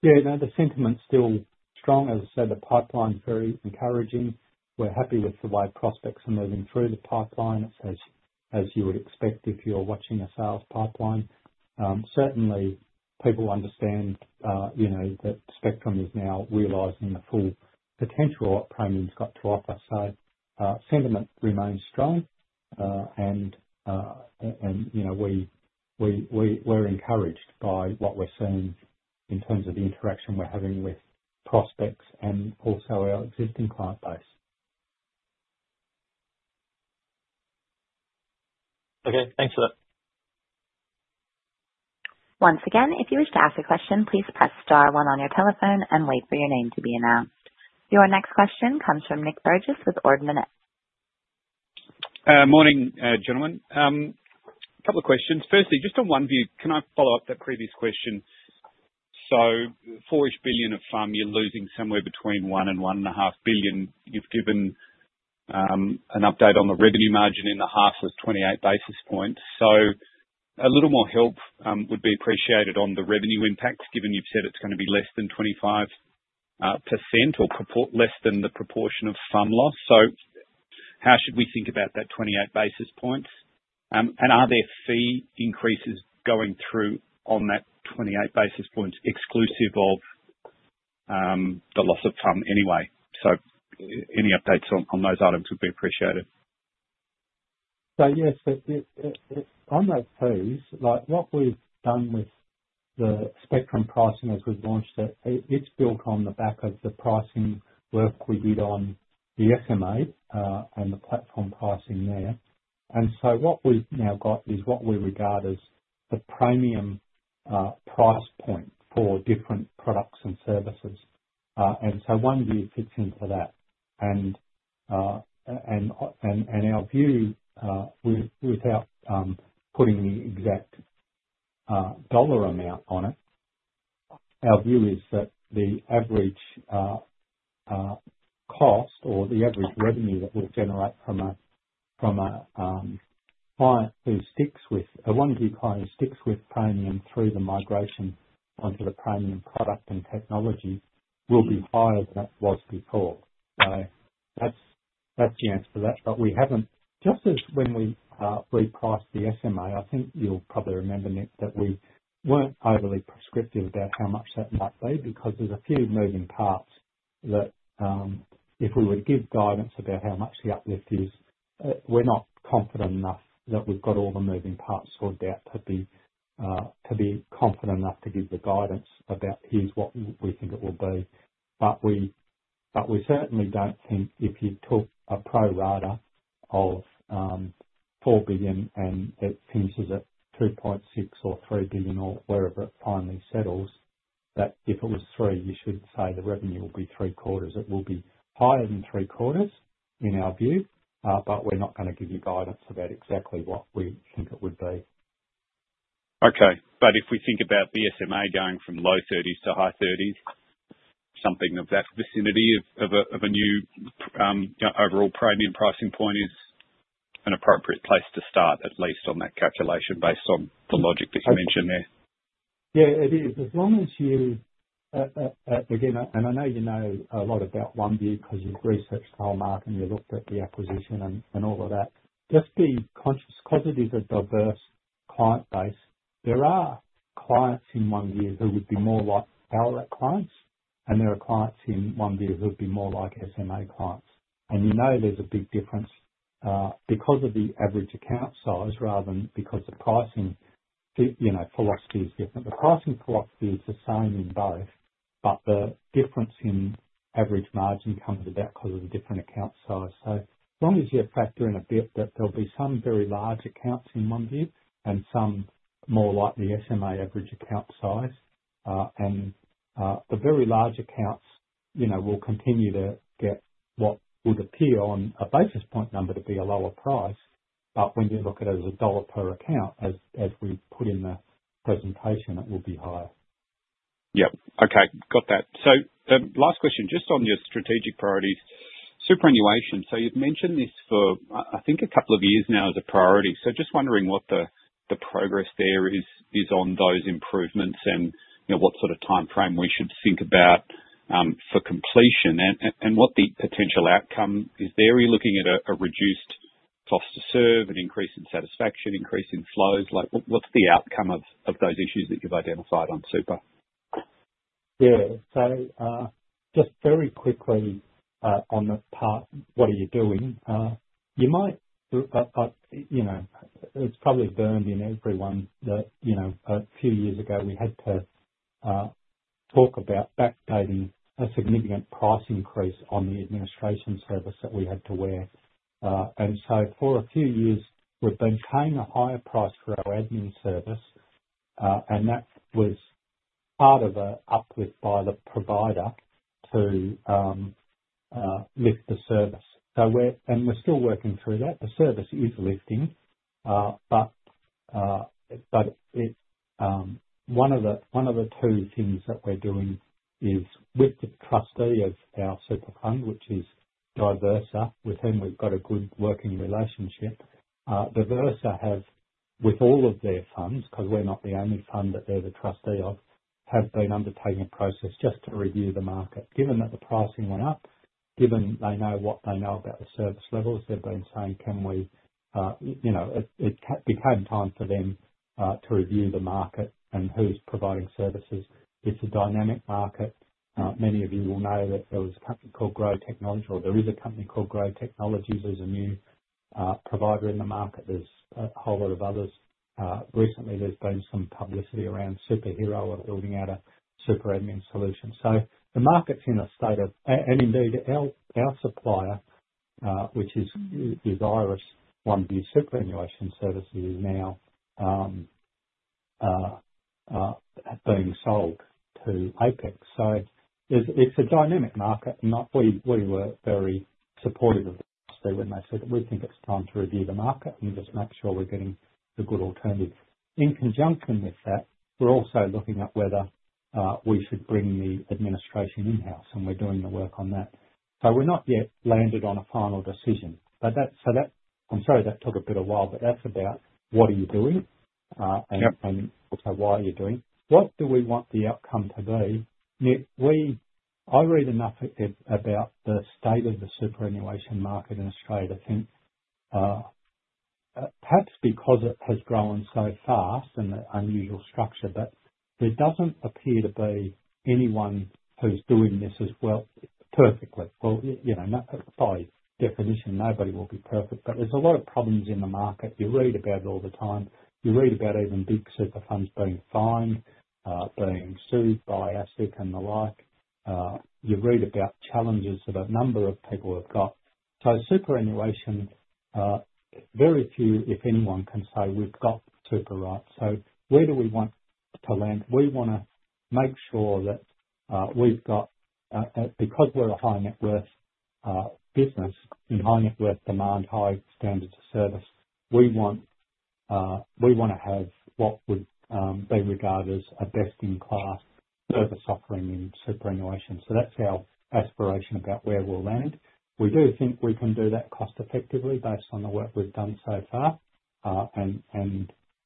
Yeah. No, the sentiment's still strong. As I said, the pipeline's very encouraging. We're happy with the way prospects are moving through the pipeline, as you would expect if you're watching a sales pipeline. Certainly, people understand that Spectrum is now realizing the full potential of what Praemium's got to offer. Sentiment remains strong. We're encouraged by what we're seeing in terms of the interaction we're having with prospects and also our existing client base. Okay. Thanks for that. Once again, if you wish to ask a question, please press star one on your telephone and wait for your name to be announced. Your next question comes from Nick Burgess with Ord Minnett. Morning, gentlemen. A couple of questions. Firstly, just on OneVue, can I follow up that previous question? For each billion of funds, you're losing somewhere between 1 and 1.5 billion. You've given an update on the revenue margin in the half of 28 basis points. A little more help would be appreciated on the revenue impact, given you've said it's going to be less than 25% or less than the proportion of fund loss. How should we think about that 28 basis points? Are there fee increases going through on that 28 basis points exclusive of the loss of fund anyway? Any updates on those items would be appreciated. Yes, on those fees, what we've done with the Spectrum pricing as we've launched it, it's built on the back of the pricing work we did on the SMA and the platform pricing there. What we've now got is what we regard as the premium price point for different products and services. OneVue fits into that. Our view, without putting the exact dollar amount on it, is that the average cost or the average revenue that we'll generate from a client who sticks with a OneVue client who sticks with Praemium through the migration onto the Praemium product and technology will be higher than it was before. That's the answer to that. We have not, just as when we repriced the SMA, I think you will probably remember, Nick, that we were not overly prescriptive about how much that might be because there are a few moving parts that if we were to give guidance about how much the uplift is, we are not confident enough that we have all the moving parts sorted out to be confident enough to give the guidance about, "Here is what we think it will be." We certainly do not think if you took a pro rata of 4 billion and it finishes at 2.6 billion or 3 billion or wherever it finally settles, that if it was 3 billion, you should say the revenue will be three-quarters. It will be higher than three-quarters in our view, but we are not going to give you guidance about exactly what we think it would be. Okay. If we think about the SMA going from low 30s to high 30s, something of that vicinity of a new overall premium pricing point is an appropriate place to start, at least on that calculation based on the logic that you mentioned there. Yeah, it is. As long as you again, and I know you know a lot about OneVue because you've researched Karl [Marks] and you've looked at the acquisition and all of that. Just be conscious because it is a diverse client base. There are clients in OneVue who would be more like Alaric clients, and there are clients in OneVue who would be more like SMA clients. You know there's a big difference because of the average account size rather than because the pricing philosophy is different. The pricing philosophy is the same in both, but the difference in average margin comes about because of the different account size. As long as you factor in a bit that there'll be some very large accounts in OneVue and some more like the SMA average account size. The very large accounts will continue to get what would appear on a basis point number to be a lower price. However, when you look at it as a dollar per account, as we put in the presentation, it will be higher. Yep. Okay. Got that. Last question, just on your strategic priorities, superannuation. You've mentioned this for, I think, a couple of years now as a priority. Just wondering what the progress there is on those improvements and what sort of timeframe we should think about for completion and what the potential outcome is. Are you looking at a reduced cost to serve, an increase in satisfaction, increase in flows? What's the outcome of those issues that you've identified on super? Yeah. So just very quickly on the part, what are you doing? You might, but it's probably burned in everyone that a few years ago we had to talk about backdating a significant price increase on the administration service that we had to wear. And so for a few years, we've been paying a higher price for our admin service, and that was part of an uplift by the provider to lift the service. And we're still working through that. The service is lifting, but one of the two things that we're doing is with the trustee of our super fund, which is Diversa, with whom we've got a good working relationship. Diversa has, with all of their funds, because we're not the only fund that they're the trustee of, have been undertaking a process just to review the market. Given that the pricing went up, given they know what they know about the service levels, they've been saying, "Can we?" It became time for them to review the market and who's providing services. It's a dynamic market. Many of you will know that there was a company called Grow Technologies, or there is a company called Grow Technologies. There's a new provider in the market. There's a whole lot of others. Recently, there's been some publicity around Superhero or building out a super admin solution. The market's in a state of, and indeed, our supplier, which is Iress OneVue Superannuation Services, is now being sold to Apex. It's a dynamic market. We were very supportive of the trustee when they said, "We think it's time to review the market and just make sure we're getting a good alternative." In conjunction with that, we're also looking at whether we should bring the administration in-house, and we're doing the work on that. We're not yet landed on a final decision. I'm sorry, that took a bit of a while, but that's about what are you doing and also why are you doing it. What do we want the outcome to be? Nick, I read enough about the state of the superannuation market in Australia. I think perhaps because it has grown so fast and the unusual structure, but there doesn't appear to be anyone who's doing this as well perfectly. By definition, nobody will be perfect, but there's a lot of problems in the market. You read about it all the time. You read about even big super funds being fined, being sued by ASIC and the like. You read about challenges that a number of people have got. Superannuation, very few, if anyone, can say, "We've got super rights." Where do we want to land? We want to make sure that we've got, because we're a high-net-worth business in high-net-worth demand, high standard of service, we want to have what would be regarded as a best-in-class service offering in superannuation. That's our aspiration about where we'll land. We do think we can do that cost-effectively based on the work we've done so far, and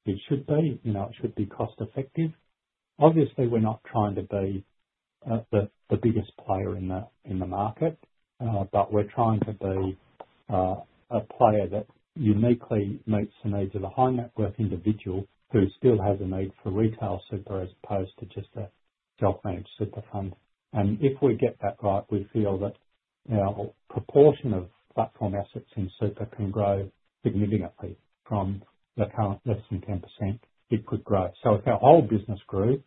it should be. It should be cost-effective. Obviously, we're not trying to be the biggest player in the market, but we're trying to be a player that uniquely meets the needs of a high-net-worth individual who still has a need for retail super as opposed to just a self-managed super fund. If we get that right, we feel that our proportion of platform assets in super can grow significantly from the current less than 10%. It could grow. If our whole business grew,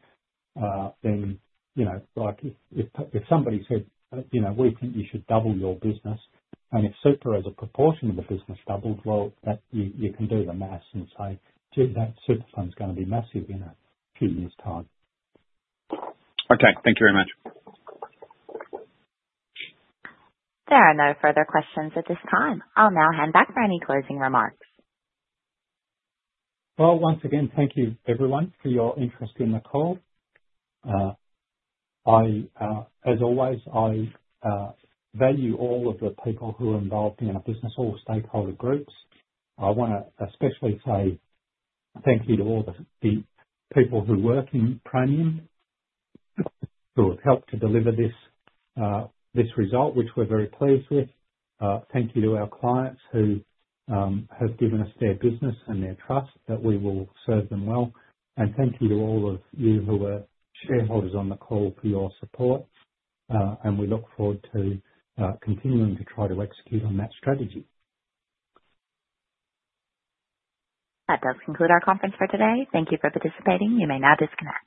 then if somebody said, "We think you should double your business," and if super as a proportion of the business doubled, you can do the maths and say, "Gee, that super fund's going to be massive in a few years' time. Okay. Thank you very much. There are no further questions at this time. I'll now hand back for any closing remarks. Thank you, everyone, for your interest in the call. As always, I value all of the people who are involved in our business, all stakeholder groups. I want to especially say thank you to all the people who work in Praemium who have helped to deliver this result, which we're very pleased with. Thank you to our clients who have given us their business and their trust that we will serve them well. Thank you to all of you who are shareholders on the call for your support. We look forward to continuing to try to execute on that strategy. That does conclude our conference for today. Thank you for participating. You may now disconnect.